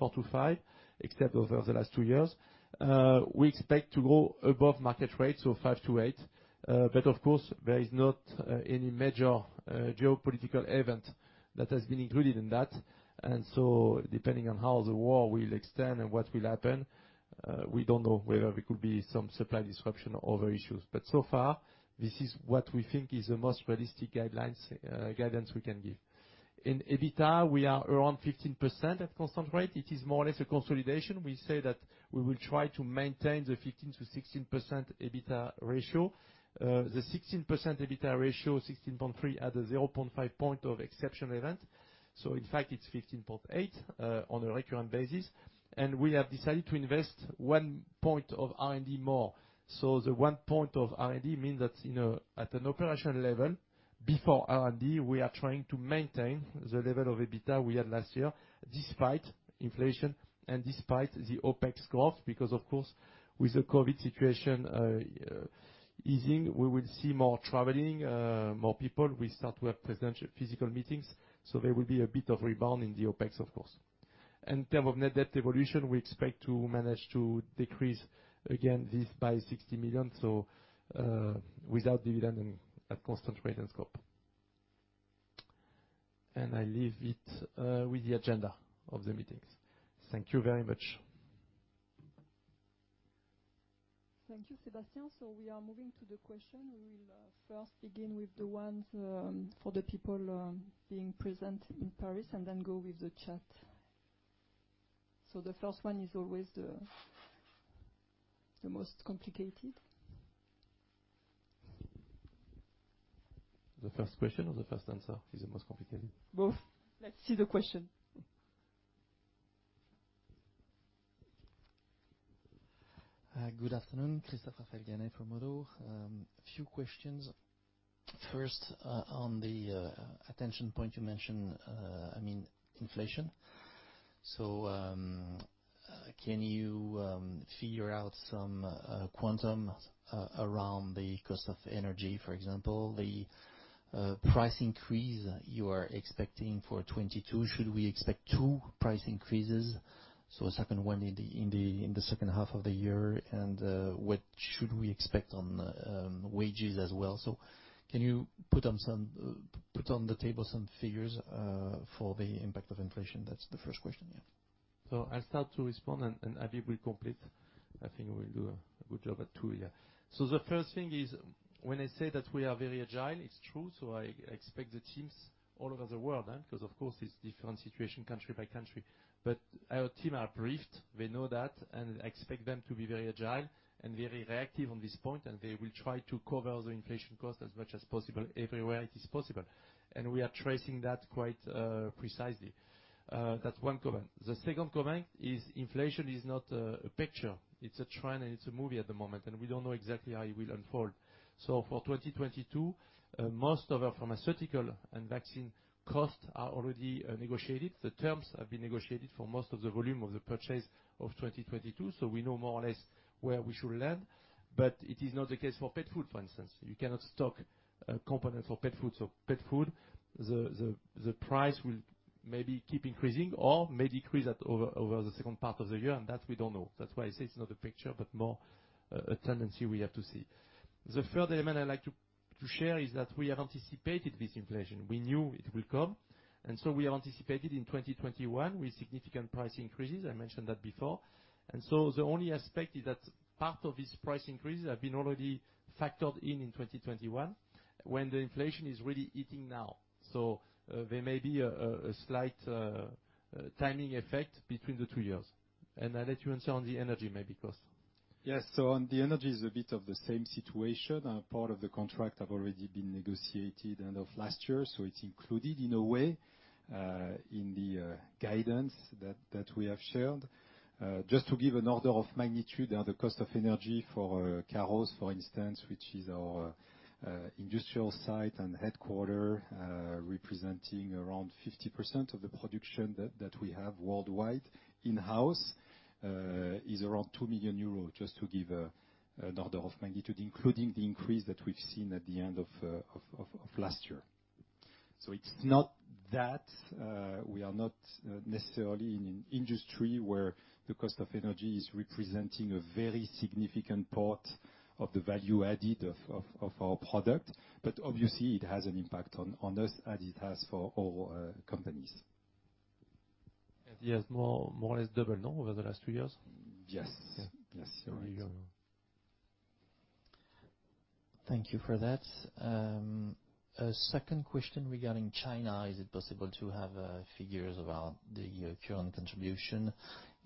C: 4%-5%, except over the last two years, we expect to grow above market rate, so 5%-8%. Of course, there is not any major geopolitical event that has been included in that. Depending on how the war will extend and what will happen, we don't know whether there could be some supply disruption or other issues. So far, this is what we think is the most realistic guidance we can give. In EBITDA, we are around 15% at constant rate. It is more or less a consolidation. We say that we will try to maintain the 15%-16% EBITDA ratio. The 16% EBITDA ratio, 16.3, add a 0.5 point of exception event. In fact, it's 15.8 on a recurrent basis. We have decided to invest 1 point of R&D more. The 1 point of R&D means that, you know, at an operational level, before R&D, we are trying to maintain the level of EBITDA we had last year, despite inflation and despite the OpEx growth, because of course, with the COVID situation easing, we will see more traveling, more people. We start to have physical meetings, so there will be a bit of rebound in the OpEx, of course. In terms of net debt evolution, we expect to manage to decrease again this by 60 million, without dividend and at constant rate and scope. I leave it with the agenda of the meetings. Thank you very much.
A: Thank you, Sébastien. We are moving to the question. We will first begin with the ones for the people being present in Paris and then go with the chat. The first one is always the most complicated.
C: The first question or the first answer is the most complicated?
A: Both. Let's see the question.
D: Good afternoon. Christophe Ganay from Oddo BHF. A few questions. First, on the attention point you mentioned, I mean, inflation. Can you figure out some quantum around the cost of energy, for example, the price increase you are expecting for 2022? Should we expect two price increases, a second one in the second half of the year? What should we expect on wages as well? Can you put on the table some figures for the impact of inflation? That's the first question, yeah.
C: I'll start to respond and Habib will complete. I think we'll do a good job at Q2, yeah. The first thing is when I say that we are very agile, it's true. I expect the teams all over the world, because of course, it's different situation country by country. Our teams are briefed, they know that, and I expect them to be very agile and very reactive on this point, and they will try to cover the inflation cost as much as possible everywhere it is possible. We are tracing that quite precisely. That's one comment. The second comment is inflation is not a picture. It's a trend, and it's a movie at the moment, and we don't know exactly how it will unfold. For 2022, most of our pharmaceutical and vaccine costs are already negotiated. The terms have been negotiated for most of the volume of the purchase of 2022, so we know more or less where we should land. It is not the case for pet food, for instance. You cannot stock components for pet food. Pet food, the price will maybe keep increasing or may decrease over the second part of the year, and that we don't know. That's why I say it's not a picture, but more a tendency we have to see. The third element I'd like to share is that we have anticipated this inflation. We knew it will come, and we have anticipated in 2021 with significant price increases. I mentioned that before. The only aspect is that part of this price increases have been already factored in in 2021 when the inflation is really hitting now. There may be a slight timing effect between the two years. I let you answer on the energy maybe cost.
B: Yes. On the energy is a bit of the same situation. Part of the contract have already been negotiated end of last year, so it's included in a way, in the guidance that we have shared. Just to give an order of magnitude on the cost of energy for Carros, for instance, which is our industrial site and headquarters, representing around 50% of the production that we have worldwide in-house, is around 2 million euros, just to give an order of magnitude, including the increase that we've seen at the end of last year. It's not that we are not necessarily in an industry where the cost of energy is representing a very significant part of the value added of our product, but obviously it has an impact on us as it has for all companies.
C: Yes, more or less over the last two years?
D: Yes. Yes, you're right.
C: There we go.
D: Thank you for that. A second question regarding China, is it possible to have figures about the current contribution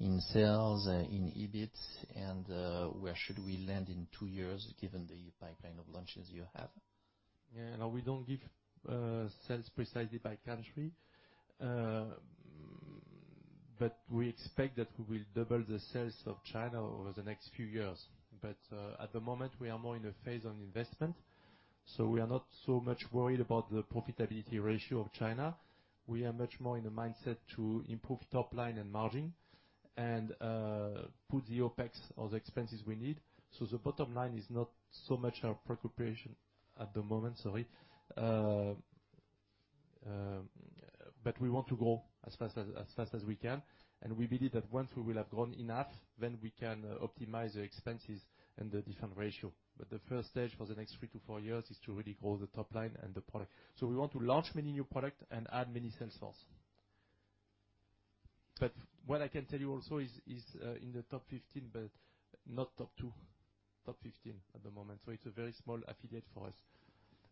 D: in sales, in EBIT? And where should we land in two years given the pipeline of launches you have?
C: Yeah. No, we don't give sales precisely by country. We expect that we will double the sales of China over the next few years. At the moment, we are more in a phase of investment, so we are not so much worried about the profitability ratio of China. We are much more in the mindset to improve top line and margin and put the OpEx or the expenses we need. The bottom line is not so much our preoccupation at the moment, sorry. We want to grow as fast as we can, and we believe that once we will have grown enough, then we can optimize the expenses and the different ratio. The first stage for the next three to four years is to really grow the top line and the product. We want to launch Magny new product and add Magny sales force. What I can tell you also is in the top 15, but not top 2. Top 15 at the moment, so it's a very small affiliate for us.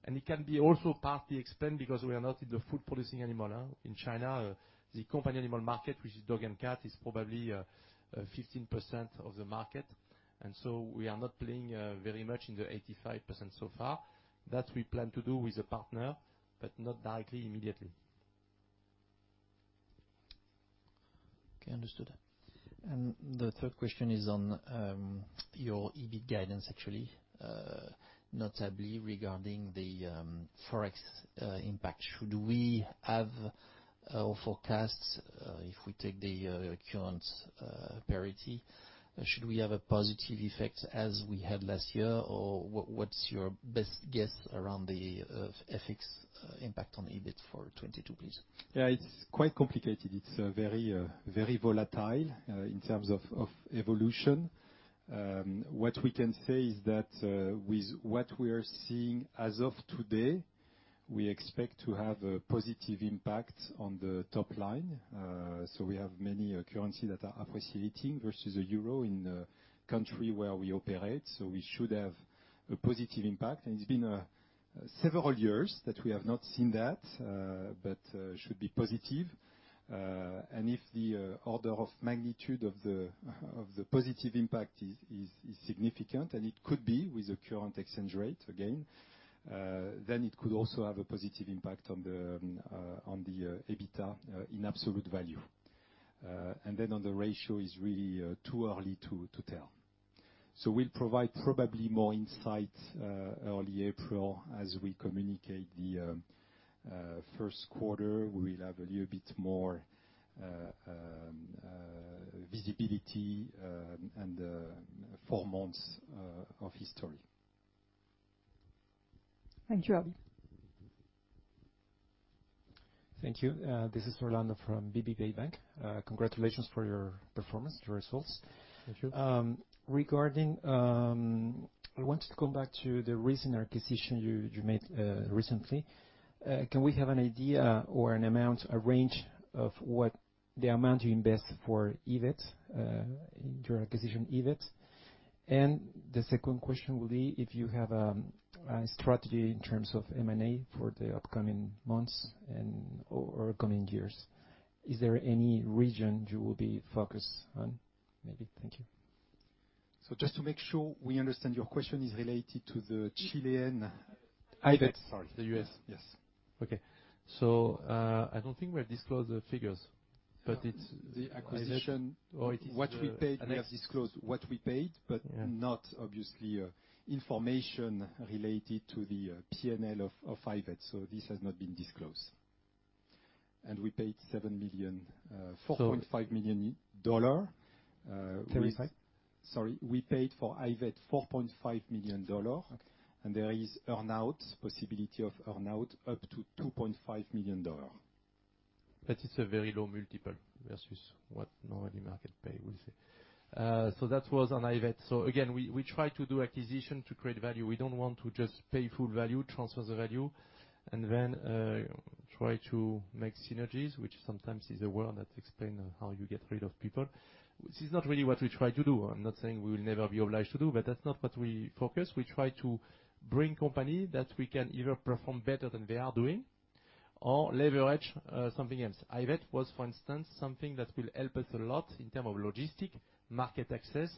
C: It can be also partly explained because we are not in the food producing animal in China. The companion animal market, which is dog and cat, is probably 15% of the market. We are not playing very much in the 85% so far. That we plan to do with a partner, but not directly immediately.
D: Okay, understood. The third question is on your EBIT guidance actually, notably regarding the FX impact. If we take the current parity, should we have a positive effect as we had last year? Or what's your best guess around the FX impact on EBIT for 2022, please?
C: Yeah, it's quite complicated. It's very volatile in terms of evolution. What we can say is that with what we are seeing as of today, we expect to have a positive impact on the top line. We have many currencies that are appreciating versus the euro in the countries where we operate, so we should have a positive impact. It's been several years that we have not seen that, but should be positive. If the order of magnitude of the positive impact is significant, and it could be with the current exchange rate again, then it could also have a positive impact on the EBITDA in absolute value. Then on the ratio is really too early to tell. We'll provide probably more insight early April as we communicate the Q1. We'll have a little bit more visibility and four months of history.
D: Thank you, Alain.
E: Thank you. This is Orlando from BNP Paribas. Congratulations for your performance, your results.
C: Thank you.
E: Regarding, I wanted to come back to the recent acquisition you made recently. Can we have an idea or an amount, a range of what the amount you invest for iVet, your acquisition iVet? The second question will be if you have a strategy in terms of M&A for the upcoming months and/or upcoming years. Is there any region you will be focused on, maybe? Thank you.
C: Just to make sure we understand, your question is related to the Chilean.
E: iVet. Sorry.
C: The U.S.
E: Yes.
C: Okay. I don't think we have disclosed the figures, but it's.
B: The acquisition- It is. We have disclosed what we paid, but
C: Yeah.
B: Not obviously information related to the P&L of iVet. This has not been disclosed.
C: We paid 7 million, $4.5 million.
E: 4.5?
C: Sorry. We paid for iVet $4.5 million.
E: Okay.
C: There is earn-out, possibility of earn-out up to $2.5 million. That is a very low multiple versus what normally market pay, we'll say. That was on iVet. Again, we try to do acquisition to create value. We don't want to just pay full value, transfer the value, and then try to make synergies, which sometimes is a word that explain how you get rid of people. This is not really what we try to do. I'm not saying we will never be obliged to do, but that's not what we focus. We try to bring company that we can either perform better than they are doing or leverage something else. iVet was, for instance, something that will help us a lot in terms of logistics, market access,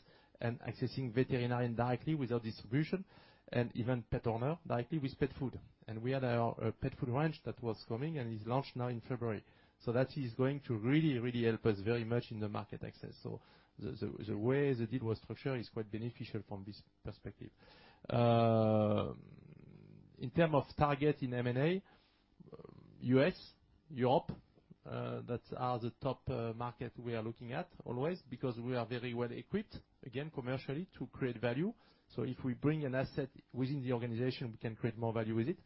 C: and accessing veterinarian directly with our distribution, and even pet owner directly with pet food. We had our pet food range that was coming and is launched now in February. That is going to really, really help us very much in the market access. The way the deal was structured is quite beneficial from this perspective. In terms of targets in M&A, U.S., Europe, that are the top markets we are looking at always because we are very well equipped, again, commercially to create value. If we bring an asset within the organization, we can create more value with it.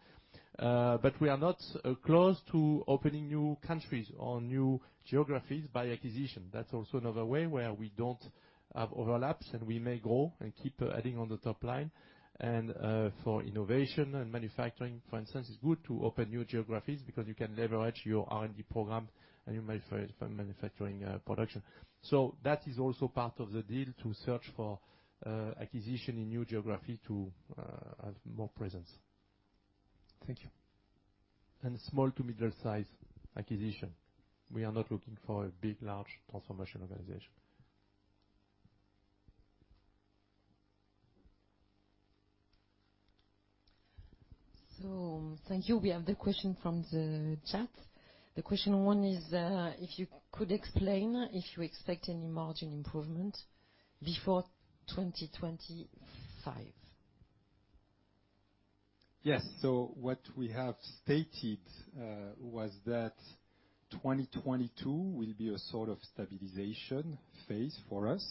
C: But we are not closed to opening new countries or new geographies by acquisition. That's also another way where we don't have overlaps, and we may grow and keep adding on the top line. For innovation and manufacturing, for instance, it's good to open new geographies because you can leverage your R&D program and your manufacturing production. That is also part of the deal to search for acquisition in new geography to have more presence.
F: Thank you.
C: Small to midsize acquisition. We are not looking for a big, large transformation organization.
F: Thank you. We have the question from the chat. The question one is, if you could explain if you expect any margin improvement before 2025.
C: Yes. What we have stated was that 2022 will be a sort of stabilization phase for us,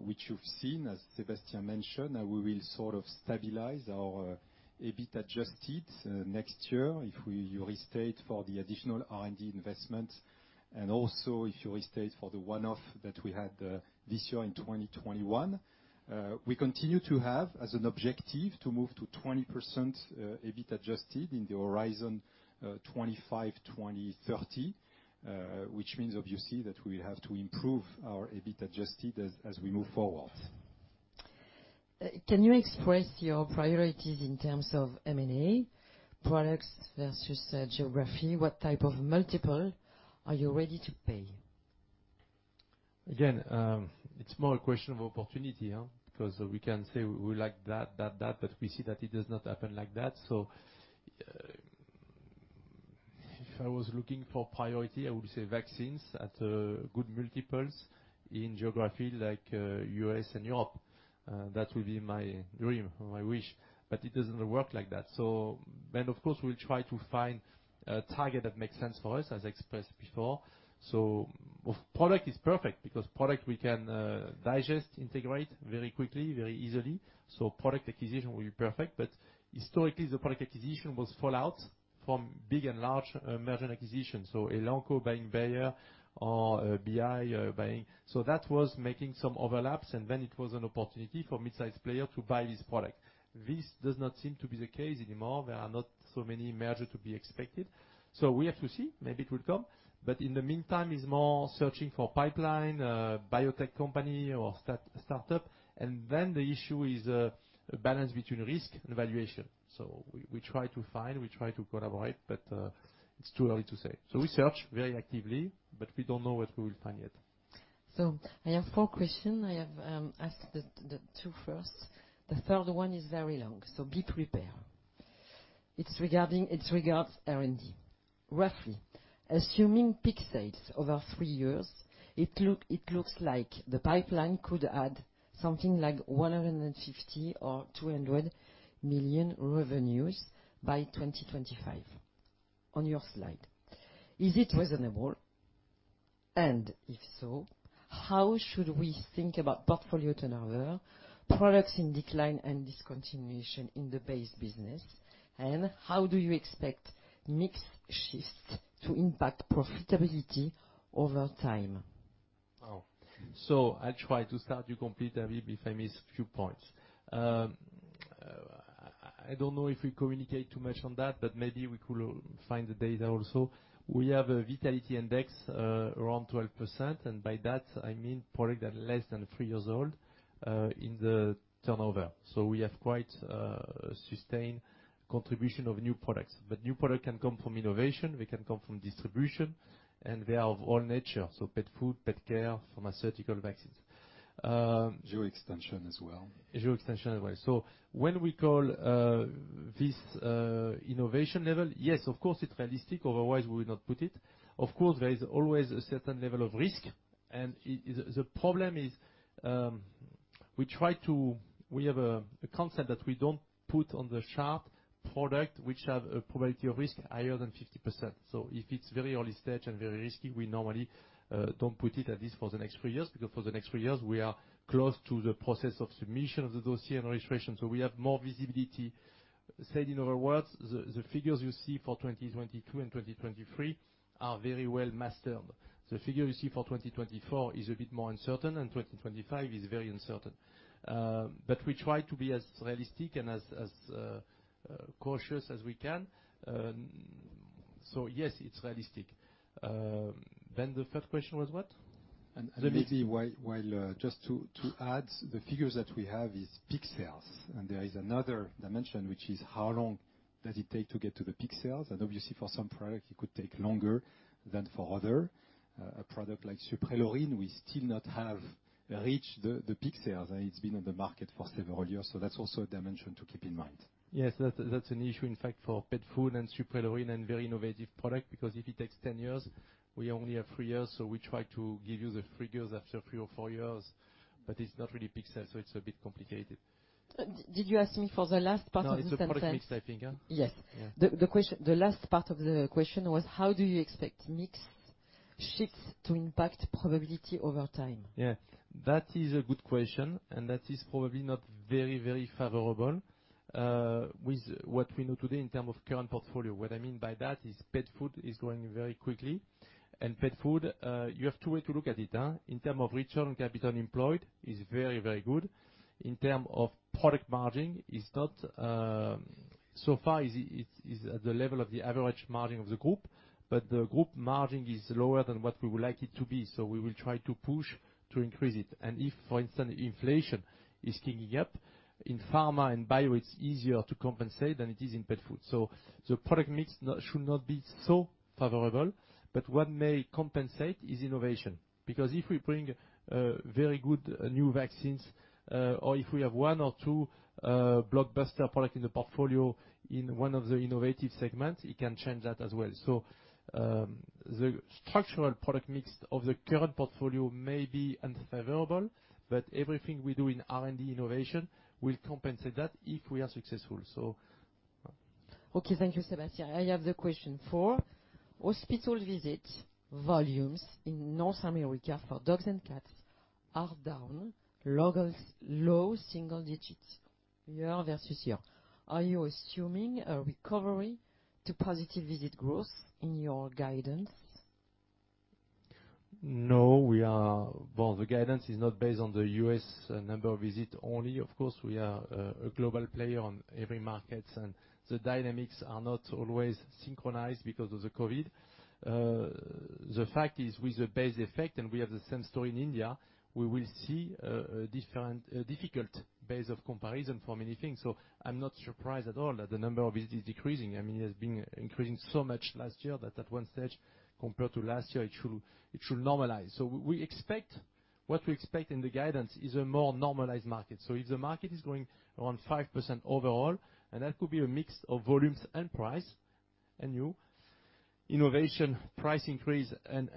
C: which you've seen, as Sébastien mentioned, that we will sort of stabilize our EBIT adjusted next year if we restate for the additional R&D investment and also if you restate for the one-off that we had this year in 2021. We continue to have as an objective to move to 20% EBIT adjusted in the horizon 2025-2030, which means obviously that we have to improve our EBIT adjusted as we move forward.
F: Can you express your priorities in terms of M&A products versus geography? What type of multiple are you ready to pay?
C: Again, it's more a question of opportunity, because we can say we like that, but we see that it does not happen like that. If I was looking for priority, I would say vaccines at good multiples in geography like U.S. and Europe. That will be my dream or my wish, but it doesn't work like that. Of course, we'll try to find a target that makes sense for us, as expressed before. Product is perfect because product we can digest, integrate very quickly, very easily. Product acquisition will be perfect. Historically, the product acquisition was fallout from big and large merger acquisitions. Elanco buying Bayer or BI buying. That was making some overlaps, and then it was an opportunity for midsize player to buy this product. This does not seem to be the case anymore. There are not so many mergers to be expected. We have to see. Maybe it will come. In the meantime, it's more searching for pipeline, biotech company or start-up. The issue is a balance between risk and valuation. We try to find and collaborate, but it's too early to say. We search very actively, but we don't know what we will find yet.
F: I have four questions. I have asked the two first. The third one is very long, so be prepared. It regards R&D. Roughly, assuming peak sales over three years, it looks like the pipeline could add something like 150 million or 200 million revenues by 2025 on your slide. Is it reasonable? If so, how should we think about portfolio turnover, products in decline and discontinuation in the base business? How do you expect mix shifts to impact profitability over time?
C: I'll try to start. You'll complete, David, if I miss a few points. I don't know if we communicate too much on that, but maybe we could find the data also. We have a vitality index around 12%, and by that I mean products that are less than three years old in the turnover. We have quite sustained contribution of new products. New product can come from innovation, they can come from distribution, and they are of all nature, so pet food, pet care, pharmaceutical, vaccines.
B: Geo extension as well.
C: Geographic extension as well. When we call this innovation level, yes, of course, it's realistic. Otherwise, we would not put it. Of course, there is always a certain level of risk. The problem is, we have a concept that we don't put on the chart product which have a probability of risk higher than 50%. If it's very early stage and very risky, we normally don't put it at least for the next three years, because for the next three years we are close to the process of submission of the dossier and registration, so we have more visibility. Said in other words, the figures you see for 2022 and 2023 are very well mastered. The figure you see for 2024 is a bit more uncertain, and 2025 is very uncertain. We try to be as realistic and as cautious as we can. Yes, it's realistic. The third question was what?
B: Maybe while just to add, the figures that we have is peak sales. There is another dimension, which is how long does it take to get to the peak sales? Obviously, for some products it could take longer than for other. A product like Suprelorin, we still not have reached the peak sales, and it's been on the market for several years. That's also a dimension to keep in mind.
C: Yes. That's an issue, in fact, for pet food and Suprelorin and very innovative product, because if it takes 10 years, we only have 3 years. We try to give you the figures after 3 or 4 years, but it's not really peak sales, so it's a bit complicated.
F: Did you ask me for the last part of the sentence?
B: No, it's the product mix, I think. Yeah.
F: Yes.
B: Yeah.
F: The last part of the question was, how do you expect mix-
A: Shifts to impact probability over time.
C: Yeah, that is a good question, and that is probably not very, very favorable with what we know today in terms of current portfolio. What I mean by that is pet food is growing very quickly and pet food you have two way to look at it in term of return on capital employed is very, very good. In term of product margin is not so far is at the level of the average margin of the group, but the group margin is lower than what we would like it to be. We will try to push to increase it, and if, for instance, inflation is sticking up in pharma and bio, it's easier to compensate than it is in pet food. The product mix should not be so favorable, but what may compensate is innovation. Because if we bring very good new vaccines, or if we have one or two blockbuster product in the portfolio in one of the innovative segments, it can change that as well. The structural product mix of the current portfolio may be unfavorable, but everything we do in R&D innovation will compensate that if we are successful.
A: Okay. Thank you, Sébastien. I have a question: hospital visit volumes in North America for dogs and cats are down low single digits year-over-year. Are you assuming a recovery to positive visit growth in your guidance?
C: No, we are. Well, the guidance is not based on the U.S. number of visits only. Of course, we are a global player on every market, and the dynamics are not always synchronized because of COVID. The fact is, with the base effect, and we have the same story in India, we will see a different difficult base of comparison for Magny things. I'm not surprised at all that the number of visits is decreasing. I mean, it has been increasing so much last year that at one stage, compared to last year, it should normalize. We expect. What we expect in the guidance is a more normalized market. If the market is growing around 5% overall, and that could be a mix of volumes and price, and new innovation, price increase and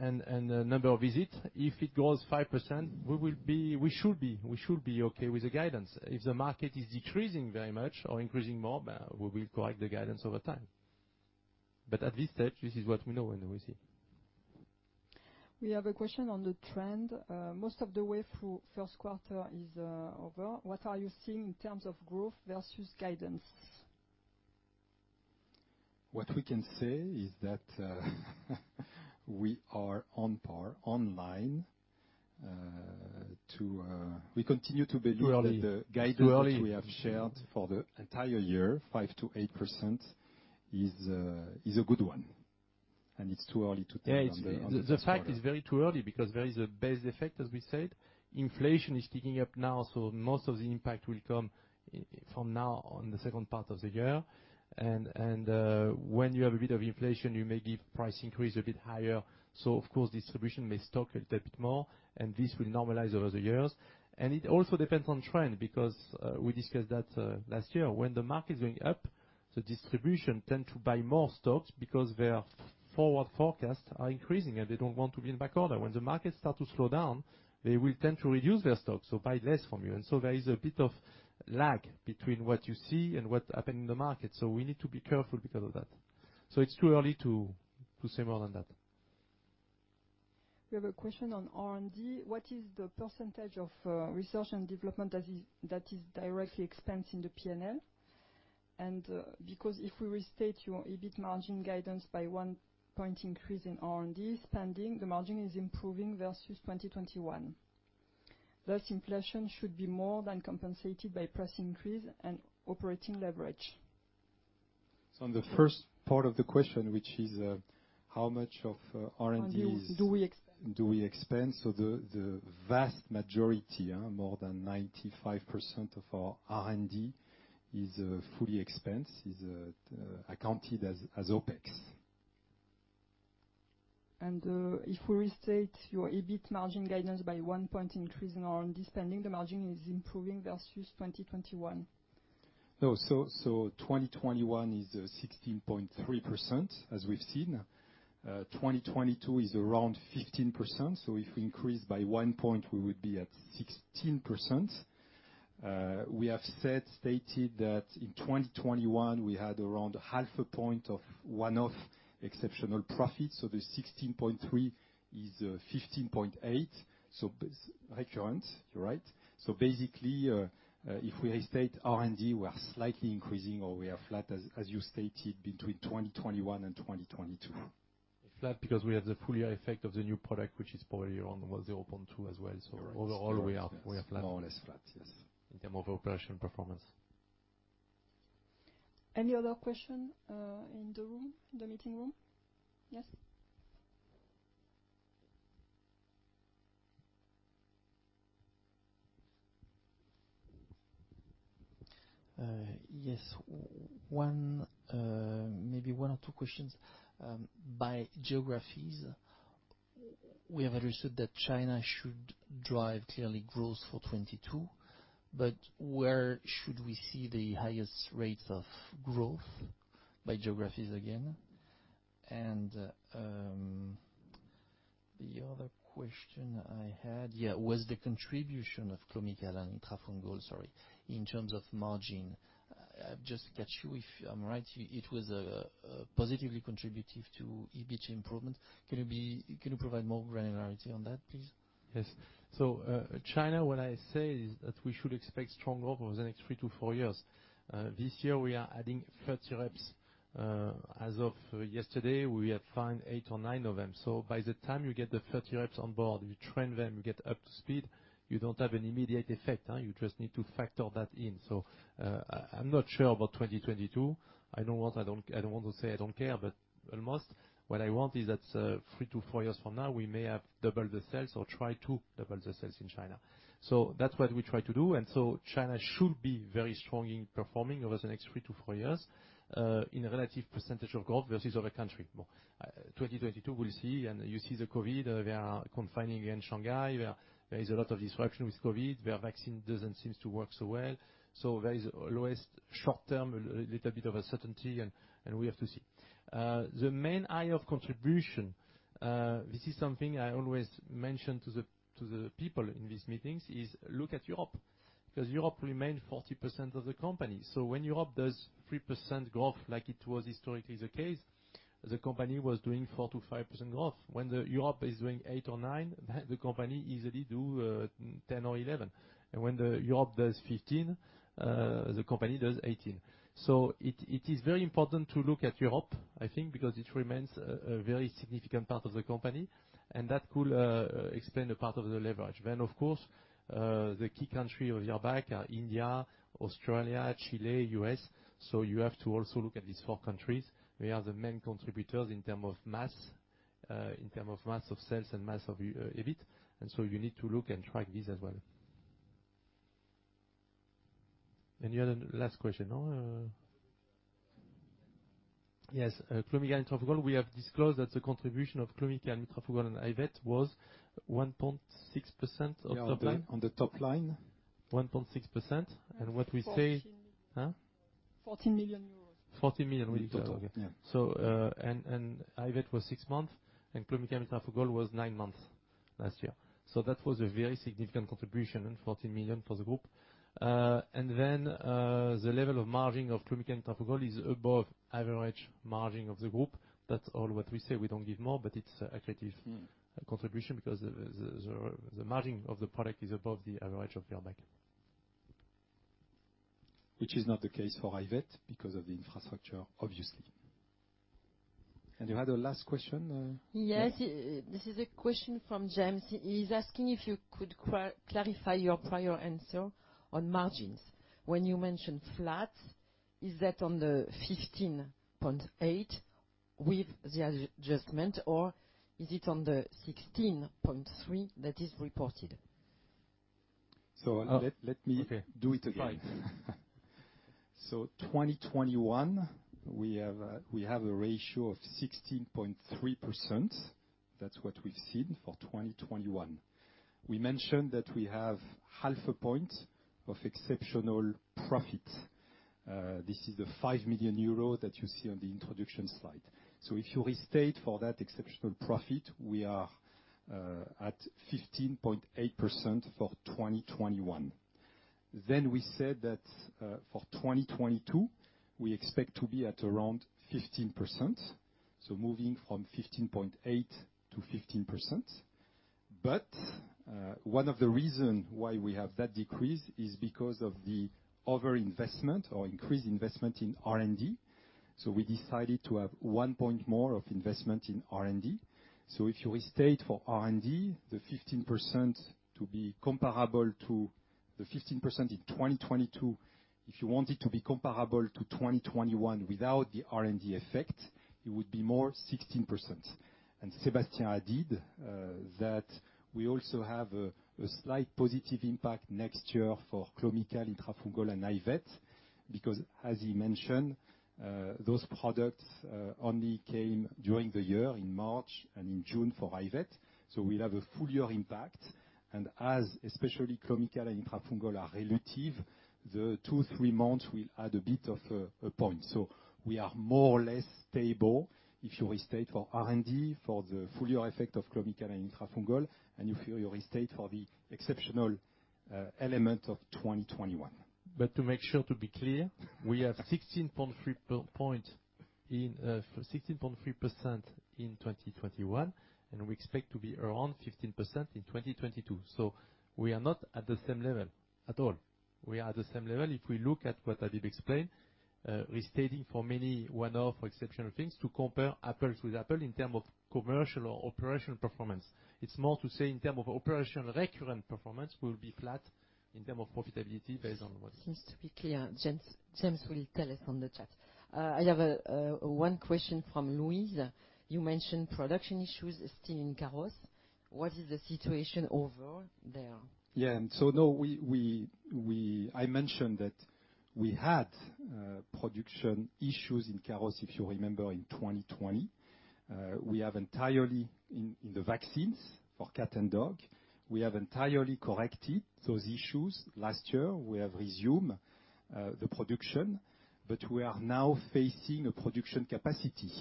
C: number of visits, if it grows 5% we should be okay with the guidance. If the market is decreasing very much or increasing more, we will collect the guidance over time. At this stage, this is what we know and we see.
A: We have a question on the trend. Most of the way through Q1 is over. What are you seeing in terms of growth versus guidance?
B: What we can say is that we are on par, on line. We continue to believe that the guidance
C: Too early.
B: that we have shared for the entire year, 5%-8% is a good one, and it's too early to tell on the Q1.
C: Yeah. It's way too early because there is a base effect, as we said. Inflation is ticking up now, so most of the impact will come from now on the second part of the year. When you have a bit of inflation, you may give price increase a bit higher. Of course, distributors may stock a little bit more and this will normalize over the years. It also depends on trend because we discussed that last year. When the market is going up, the distributors tend to buy more stocks because their forward forecasts are increasing and they don't want to be in backorder. When the market start to slow down, they will tend to reduce their stocks, so buy less from you. There is a bit of lag between what you see and what happened in the market. We need to be careful because of that. It's too early to say more than that.
A: We have a question on R&D. What is the percentage of research and development that is directly expensed in the P&L? Because if we restate your EBIT margin guidance by 1-point increase in R&D spending, the margin is improving versus 2021. Thus, inflation should be more than compensated by price increase and operating leverage.
B: On the first part of the question, which is how much of R&D is?
A: Do we expense?
B: The vast majority, more than 95% of our R&D is fully expensed, accounted as OpEx.
A: If we restate your EBIT margin guidance by 1 point increase in R&D spending, the margin is improving versus 2021.
B: No. 2021 is 16.3%, as we've seen. 2022 is around 15%, so if we increase by 1 point, we would be at 16%. We have stated that in 2021 we had around half a point of one-off exceptional profits. The 16.3% is 15.8%. Like current, you're right. Basically, if we restate R&D, we are slightly increasing or we are flat as you stated between 2021 and 2022.
C: Flat because we have the full year effect of the new product, which is probably around about 0.2% as well.
B: You're right.
C: All we are flat.
B: More or less flat, yes.
C: In terms of operational performance.
A: Any other question, in the room, the meeting room? Yes.
D: Yes. One, maybe one or two questions. By geographies, we have understood that China should drive clearly growth for 2022, but where should we see the highest rates of growth by geographies again?
C: The other question I had was the contribution of Clomicalm and Itrafungol, sorry, in terms of margin. Just catch you if I'm right, it was positively contributive to EBIT improvement. Can you provide more granularity on that, please? Yes. China, what I say is that we should expect strong over the next 3-4 years. This year we are adding 30 reps. As of yesterday, we have signed 8 or 9 of them. By the time you get the 30 reps on board, you train them, you get up to speed, you don't have an immediate effect. You just need to factor that in. I'm not sure about 2022. I don't want... I don't want to say I don't care, but almost what I want is that 3-4 years from now, we may have doubled the sales or try to double the sales in China. That's what we try to do. China should be very strong in performing over the next 3-4 years in a relative percentage of growth versus other countries. In 2022, we'll see. You see the COVID, they are confining in Shanghai, where there is a lot of disruption with COVID, where vaccine doesn't seems to work so well. There is always short-term, little bit of an uncertainty and we have to see. The main area of contribution, this is something I always mention to the people in these meetings, is look at Europe, because Europe remains 40% of the company. When Europe does 3% growth like it was historically the case, the company was doing 4%-5% growth. When Europe is doing 8 or 9, the company easily do 10 or 11. When Europe does 15, the company does 18. It is very important to look at Europe, I think, because it remains a very significant part of the company and that could explain a part of the leverage. Then of course, the key country of Virbac are India, Australia, Chile, U.S. You have to also look at these four countries. They are the main contributors in terms of mass of sales and mass of EBIT. You need to look and track this as well. Any other last question. Yes, Clomicalm and Itrafungol, we have disclosed that the contribution of Clomicalm and Itrafungol and Iverhart was 1.6% of top line. On the top line. 1.6%. What we say-
F: Fourteen.
C: Huh?
F: 14 million
C: euros. 14 million euros in total. Yeah. Iverhart was six months, and Clomicalm and Itrafungol was nine months last year. That was a very significant contribution and 14 million for the group. The level of margin of Clomicalm and Itrafungol is above average margin of the group. That's all what we say. We don't give more, but it's accretive contribution because the margin of the product is above the average of Virbac. Which is not the case for Iverhart because of the infrastructure, obviously. You had a last question. Yes. This is a question from James. He's asking if you could clarify your prior answer on margins. When you mention flat, is that on the 15.8% with the adjustment, or is it on the 16.3% that is reported? Let me do it again. 2021, we have a ratio of 16.3%. That's what we've seen for 2021. We mentioned that we have half a point of exceptional profit. This is the 5 million euro that you see on the introduction slide. If you restate for that exceptional profit, we are at 15.8% for 2021. We said that for 2022, we expect to be at around 15%, moving from 15.8% to 15%. One of the reason why we have that decrease is because of the other investment or increased investment in R&D. We decided to have 1 point more of investment in R&D. If you restate for R&D, the 15% to be comparable to the 15% in 2022, if you want it to be comparable to 2021 without the R&D effect, it would be more 16%. Sébastien added that we also have a slight positive impact next year for Clomicalm, Itrafungol, and Iverhart because as he mentioned, those products only came during the year in March and in June for Iverhart. We'll have a full year impact. As especially Clomicalm and Itrafungol are relative, the two, three months will add a bit of a point. We are more or less stable if you restate for R&D, for the full year effect of Clomicalm and Itrafungol, and if you restate for the exceptional element of 2021. To make sure to be clear, we have 16.3% in 2021, and we expect to be around 15% in 2022. We are not at the same level at all. We are at the same level if we look at what Habib explained, restating for Magny one-off exceptional things to compare apples to apples in terms of commercial or operational performance. It's more to say in terms of operational recurrent performance will be flat in terms of profitability based on what-
F: Seems to be clear. James will tell us on the chat. I have one question from Louise. You mentioned production issues still in Carros. What is the situation overall there?
C: Yeah. No, I mentioned that we had production issues in Carros, if you remember in 2020. We have entirely corrected those issues last year. We have resumed the production, but we are now facing a production capacity.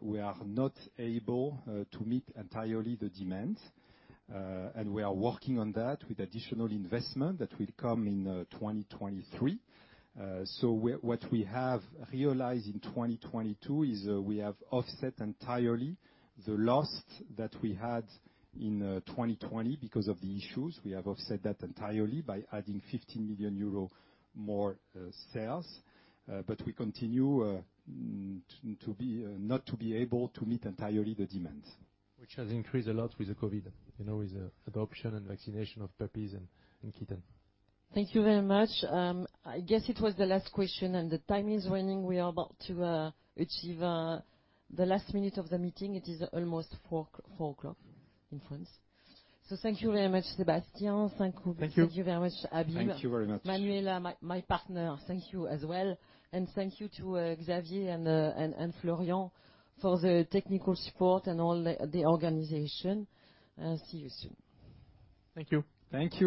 C: We are not able to meet entirely the demand, and we are working on that with additional investment that will come in 2023. So what we have realized in 2022 is, we have offset entirely the loss that we had in 2020 because of the issues. We have offset that entirely by adding 50 million euro more sales. But we continue to be not able to meet entirely the demand. Which has increased a lot with the COVID, you know, with the adoption and vaccination of puppies and kitten.
F: Thank you very much. I guess it was the last question, and the time is running. We are about to achieve the last minute of the meeting. It is almost 4 o'clock in France. Thank you very much, Sébastien. Thank you.
C: Thank you.
F: Thank you very much, Habib.
C: Thank you very much.
F: Manuela, my partner, thank you as well. Thank you to Xavier and Florian for the technical support and all the organization. See you soon.
C: Thank you. Thank you.